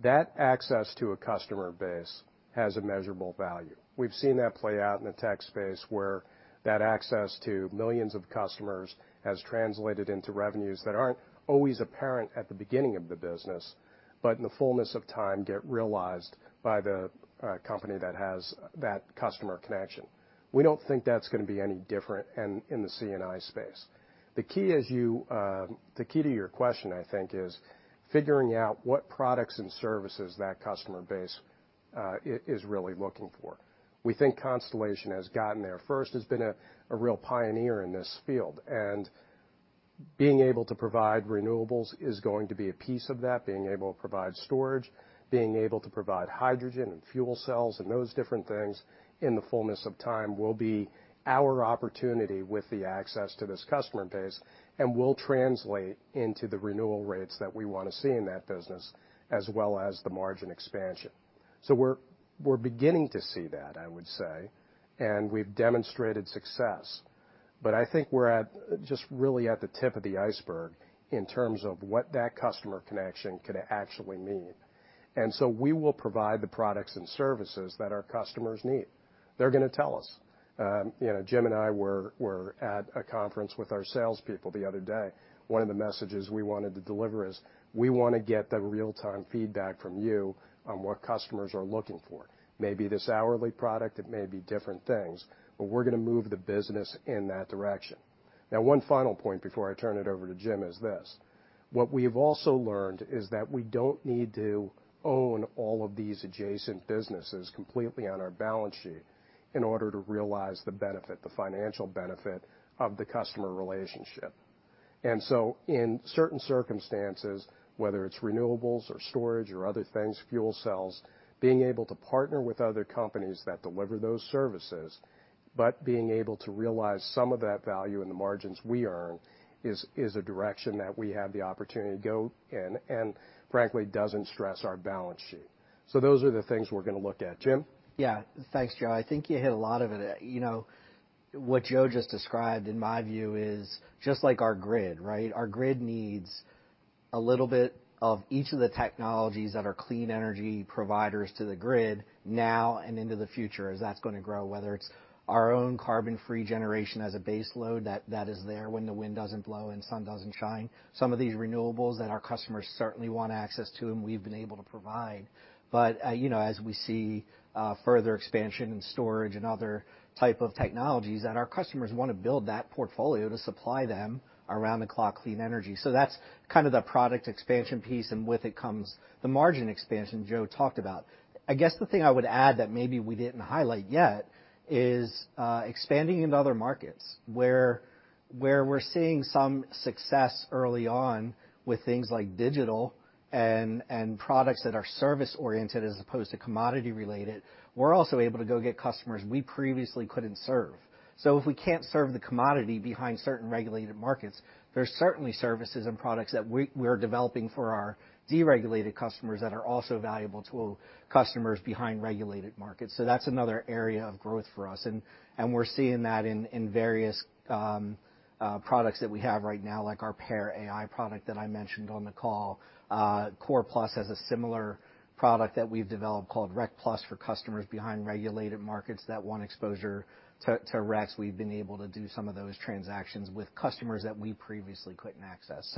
that access to a customer base has a measurable value. We've seen that play out in the tech space, where that access to millions of customers has translated into revenues that aren't always apparent at the beginning of the business, but in the fullness of time, get realized by the company that has that customer connection. We don't think that's gonna be any different in the C&I space. The key to your question, I think, is figuring out what products and services that customer base is really looking for. We think Constellation has gotten there first. It's been a real pioneer in this field. Being able to provide renewables is going to be a piece of that. Being able to provide storage, being able to provide hydrogen and fuel cells and those different things in the fullness of time will be our opportunity with the access to this customer base and will translate into the renewal rates that we wanna see in that business as well as the margin expansion. We're beginning to see that, I would say, and we've demonstrated success. But I think we're at, just really at the tip of the iceberg in terms of what that customer connection could actually mean. We will provide the products and services that our customers need. They're gonna tell us. You know, Jim and I were at a conference with our salespeople the other day. One of the messages we wanted to deliver is, we wanna get the real-time feedback from you on what customers are looking for. Maybe this hourly product, it may be different things, but we're gonna move the business in that direction. Now, one final point before I turn it over to Jim is this. What we've also learned is that we don't need to own all of these adjacent businesses completely on our balance sheet in order to realize the benefit, the financial benefit of the customer relationship. In certain circumstances, whether it's renewables or storage or other things, fuel cells, being able to partner with other companies that deliver those services. But being able to realize some of that value in the margins we earn is a direction that we have the opportunity to go in and frankly, doesn't stress our balance sheet. Those are the things we're gonna look at. Jim? Yeah. Thanks, Joe. I think you hit a lot of it. You know, what Joe just described, in my view, is just like our grid, right? Our grid needs a little bit of each of the technologies that are clean energy providers to the grid now and into the future as that's gonna grow, whether it's our own carbon-free generation as a base load that is there when the wind doesn't blow and sun doesn't shine. Some of these renewables that our customers certainly want access to, and we've been able to provide. You know, as we see further expansion in storage and other type of technologies that our customers wanna build that portfolio to supply them around-the-clock clean energy. So that's kind of the product expansion piece, and with it comes the margin expansion Joe talked about. I guess the thing I would add that maybe we didn't highlight yet is expanding into other markets where we're seeing some success early on with things like digital and products that are service-oriented as opposed to commodity-related. We're also able to go get customers we previously couldn't serve. If we can't serve the commodity behind certain regulated markets, there's certainly services and products that we're developing for our deregulated customers that are also valuable to customers behind regulated markets. That's another area of growth for us, and we're seeing that in various products that we have right now, like our PEAR.ai product that I mentioned on the call. CORE+ has a similar product that we've developed called REC+ for customers behind regulated markets that want exposure to RECs. We've been able to do some of those transactions with customers that we previously couldn't access.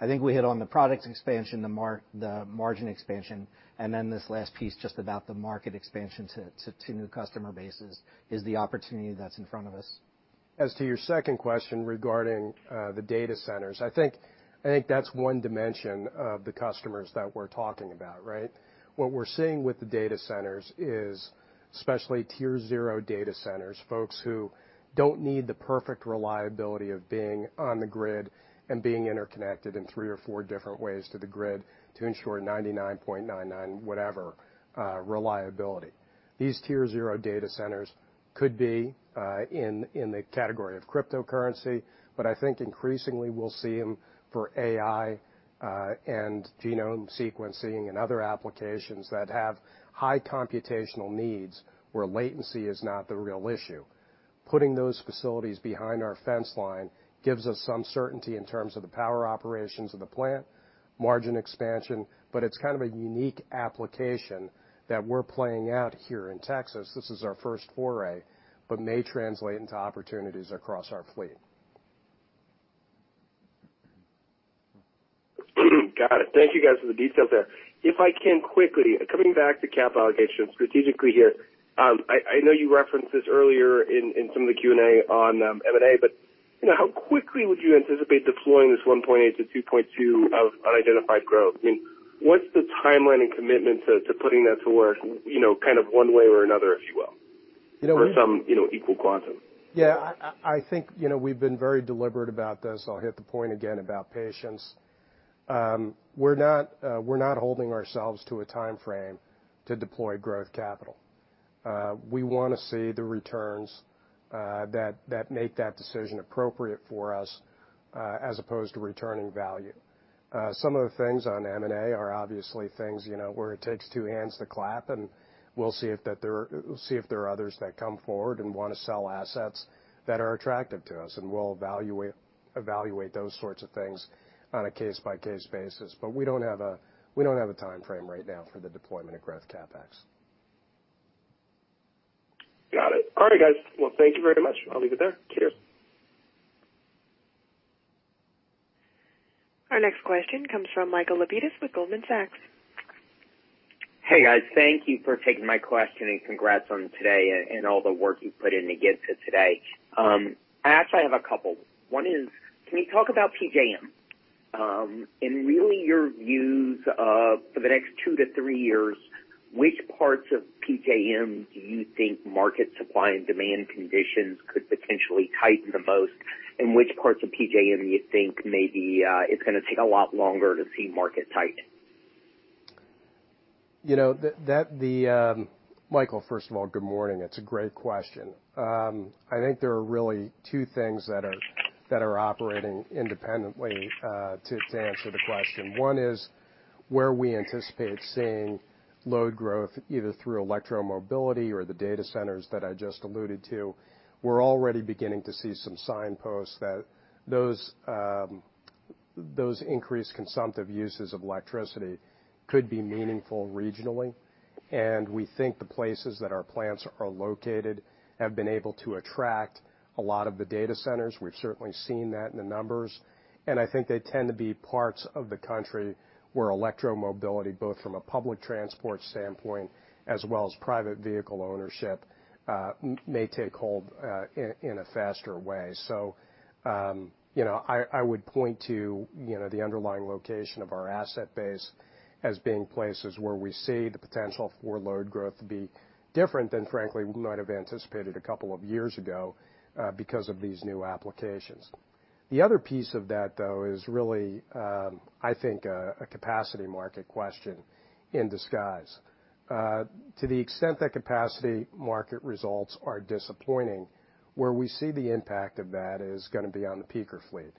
I think we hit on the products expansion, the margin expansion, and then this last piece just about the market expansion to new customer bases is the opportunity that's in front of us. As to your second question regarding the data centers, I think that's one dimension of the customers that we're talking about, right? What we're seeing with the data centers is, especially tier zero data centers, folks who don't need the perfect reliability of being on the grid and being interconnected in 3 or 4 different ways to the grid to ensure 99.99 whatever reliability. These tier zero data centers could be in the category of cryptocurrency, but I think increasingly we'll see them for AI and genome sequencing and other applications that have high computational needs where latency is not the real issue. Putting those facilities behind our fence line gives us some certainty in terms of the power operations of the plant, margin expansion, but it's kind of a unique application that we're playing out here in Texas. This is our first foray, but may translate into opportunities across our fleet. Got it. Thank you, guys, for the details there. If I can quickly coming back to capital allocation strategically here, I know you referenced this earlier in some of the Q&A on M&A, but you know, how quickly would you anticipate deploying this $1.8-$2.2 of unidentified growth? I mean, what's the timeline and commitment to putting that to work, you know, kind of one way or another, if you will? You know. some, you know, equal quantum. Yeah. I think, you know, we've been very deliberate about this. I'll hit the point again about patience. We're not holding ourselves to a timeframe to deploy growth capital. We wanna see the returns that make that decision appropriate for us as opposed to returning value. Some of the things on M&A are obviously things, you know, where it takes two hands to clap, and we'll see if there are others that come forward and wanna sell assets that are attractive to us, and we'll evaluate those sorts of things on a case-by-case basis. We don't have a timeframe right now for the deployment of growth CapEx. Got it. All right, guys. Well, thank you very much. I'll leave it there. Cheers. Our next question comes from Michael Lapides with Goldman Sachs. Hey, guys. Thank you for taking my question, and congrats on today and all the work you've put in to get to today. I actually have a couple. One is, can you talk about PJM, and really your views of for the next 2-3 years, which parts of PJM do you think market supply and demand conditions could potentially tighten the most, and which parts of PJM do you think maybe, it's gonna take a lot longer to see market tighten? Michael, first of all, good morning. It's a great question. I think there are really two things that are operating independently to answer the question. One is where we anticipate seeing load growth, either through electromobility or the data centers that I just alluded to. We're already beginning to see some signposts that those increased consumptive uses of electricity could be meaningful regionally, and we think the places that our plants are located have been able to attract a lot of the data centers. We've certainly seen that in the numbers. I think they tend to be parts of the country where electromobility, both from a public transport standpoint as well as private vehicle ownership, may take hold in a faster way. I would point to, you know, the underlying location of our asset base as being places where we see the potential for load growth to be different than frankly we might have anticipated a couple of years ago, because of these new applications. The other piece of that, though, is really, I think, a capacity market question in disguise. To the extent that capacity market results are disappointing, where we see the impact of that is gonna be on the peaker fleet.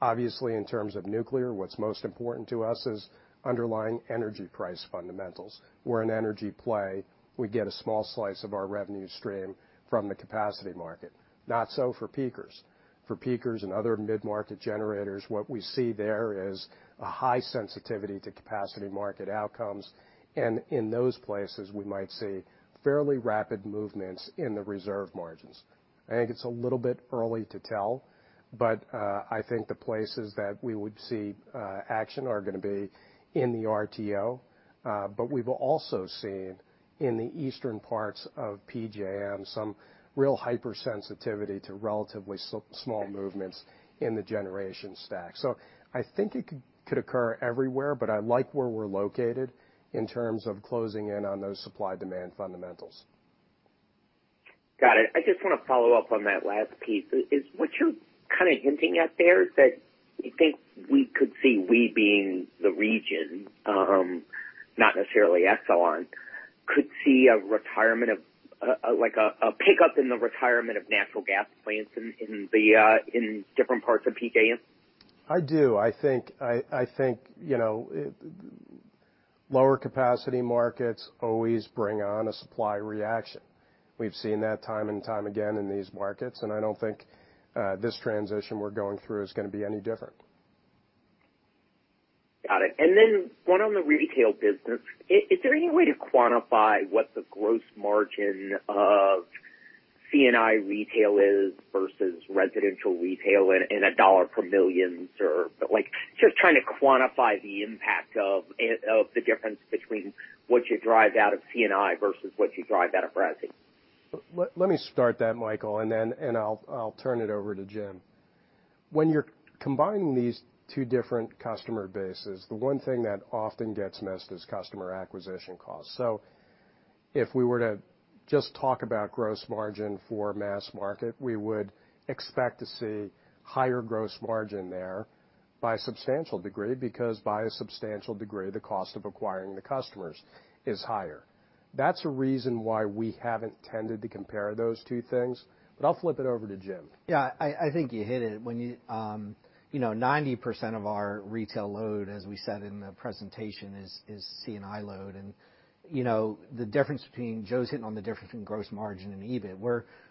Obviously, in terms of nuclear, what is most important to us is underlying energy price fundamentals. We are an energy play. We get a small slice of our revenue stream from the capacity market. Not so for peakers. For peakers and other mid-market generators, what we see there is a high sensitivity to capacity market outcomes, and in those places, we might see fairly rapid movements in the reserve margins. I think it's a little bit early to tell, but I think the places that we would see action are gonna be in the RTO. But we've also seen in the eastern parts of PJM some real hypersensitivity to relatively small movements in the generation stack. I think it could occur everywhere, but I like where we're located in terms of closing in on those supply-demand fundamentals. Got it. I just wanna follow up on that last piece. Is what you're kind of hinting at there is that you think we could see, we being the region, not necessarily Exelon, could see a retirement of, like a pickup in the retirement of natural gas plants in different parts of PJM? I do. I think you know, lower capacity markets always bring on a supply reaction. We've seen that time and time again in these markets, and I don't think this transition we're going through is gonna be any different. Got it. One on the retail business. Is there any way to quantify what the gross margin of C&I retail is versus residential retail in a dollar per millions or like just trying to quantify the impact of the difference between what you drive out of C&I versus what you drive out of resi. Let me start that, Michael, and then I'll turn it over to Jim. When you're combining these two different customer bases, the one thing that often gets missed is customer acquisition costs. If we were to just talk about gross margin for mass market, we would expect to see higher gross margin there by a substantial degree because the cost of acquiring the customers is higher. That's a reason why we haven't tended to compare those two things, but I'll flip it over to Jim. Yeah. I think you hit it. You know, 90% of our retail load, as we said in the presentation, is C&I load. You know, Joe's hitting on the difference in gross margin and EBIT.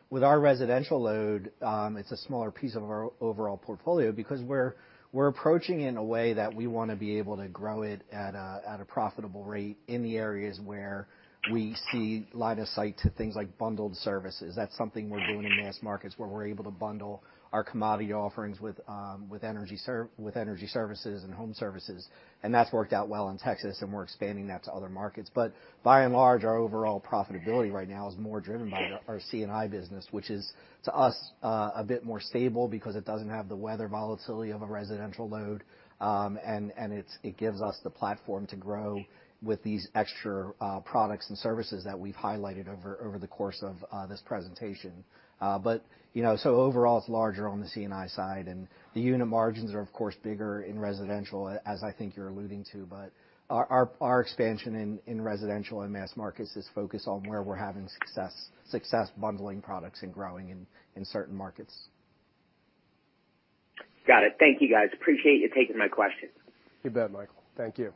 With our residential load, it's a smaller piece of our overall portfolio because we're approaching in a way that we wanna be able to grow it at a profitable rate in the areas where we see line of sight to things like bundled services. That's something we're doing in mass markets where we're able to bundle our commodity offerings with energy services and home services, and that's worked out well in Texas, and we're expanding that to other markets. By and large, our overall profitability right now is more driven by our C&I business, which is, to us, a bit more stable because it doesn't have the weather volatility of a residential load. And it gives us the platform to grow with these extra products and services that we've highlighted over the course of this presentation. You know, overall, it's larger on the C&I side, and the unit margins are, of course, bigger in residential, as I think you're alluding to. Our expansion in residential and mass markets is focused on where we're having success bundling products and growing in certain markets. Got it. Thank you, guys. Appreciate you taking my questions. You bet, Michael. Thank you.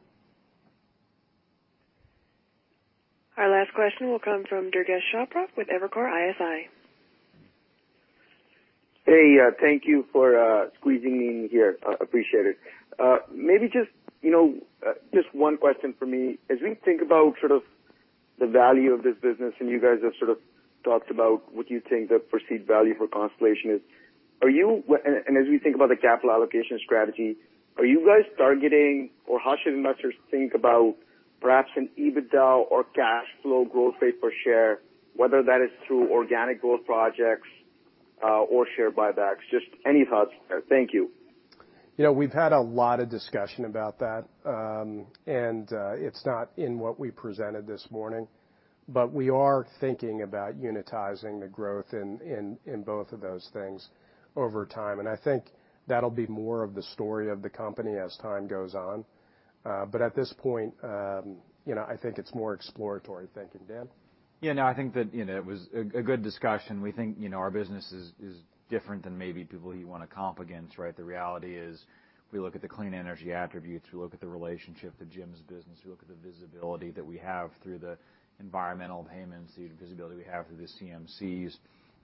Our last question will come from Durgesh Chopra with Evercore ISI. Hey, thank you for squeezing me in here. Appreciate it. Maybe just, you know, just one question from me. As we think about sort of the value of this business, and you guys have sort of talked about what you think the perceived value for Constellation is, and as we think about the capital allocation strategy, are you guys targeting or how should investors think about perhaps an EBITDA or cash flow growth rate per share, whether that is through organic growth projects, or share buybacks? Just any thoughts there. Thank you. You know, we've had a lot of discussion about that. It's not in what we presented this morning, but we are thinking about unitizing the growth in both of those things over time. I think that'll be more of the story of the company as time goes on. At this point, you know, I think it's more exploratory thinking. Dan? Yeah, no, I think that, you know, it was a good discussion. We think, you know, our business is different than maybe people who you wanna comp against, right? The reality is, if we look at the clean energy attributes, we look at the relationship to Jim's business, we look at the visibility that we have through the environmental payments, the visibility we have through the CMCs.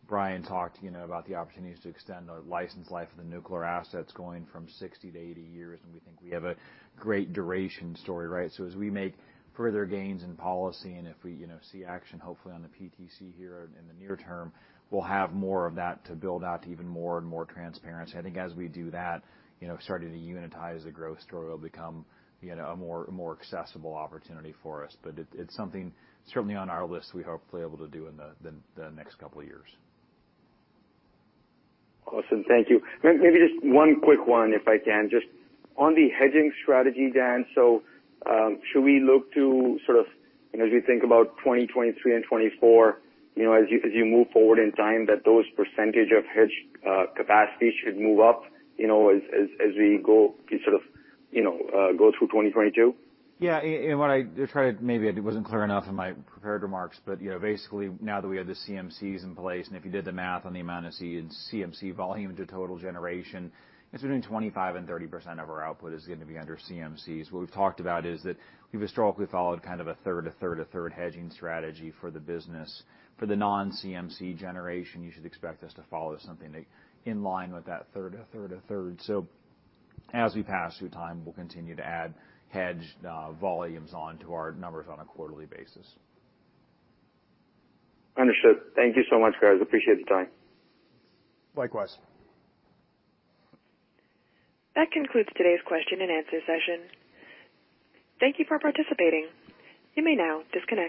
Brian talked, you know, about the opportunities to extend the license life of the nuclear assets going from 60 to 80 years, and we think we have a great duration story, right? As we make further gains in policy, and if we, you know, see action, hopefully on the PTC here in the near term, we'll have more of that to build out to even more and more transparency. I think as we do that, you know, starting to unitize the growth story will become, you know, a more accessible opportunity for us. It's something certainly on our list we're hopefully able to do in the next couple of years. Awesome. Thank you. Maybe just one quick one if I can. Just on the hedging strategy, Dan, so should we look to sort of as we think about 2023 and 2024, you know, as you move forward in time, that those percentage of hedged capacity should move up, you know, as we go sort of, you know, go through 2022? Yeah. And what I tried, maybe I wasn't clear enough in my prepared remarks, but, you know, basically now that we have the CMCs in place, and if you did the math on the amount of CMC volume to total generation, it's between 25% and 30% of our output is going to be under CMCs. What we've talked about is that we've historically followed kind of a third, a third, a third hedging strategy for the business. For the non-CMC generation, you should expect us to follow something, like, in line with that third, a third, a third. As we pass through time, we'll continue to add hedged volumes onto our numbers on a quarterly basis. Understood. Thank you so much, guys. Appreciate the time. Likewise. That concludes today's question-and-answer session. Thank you for participating. You may now disconnect.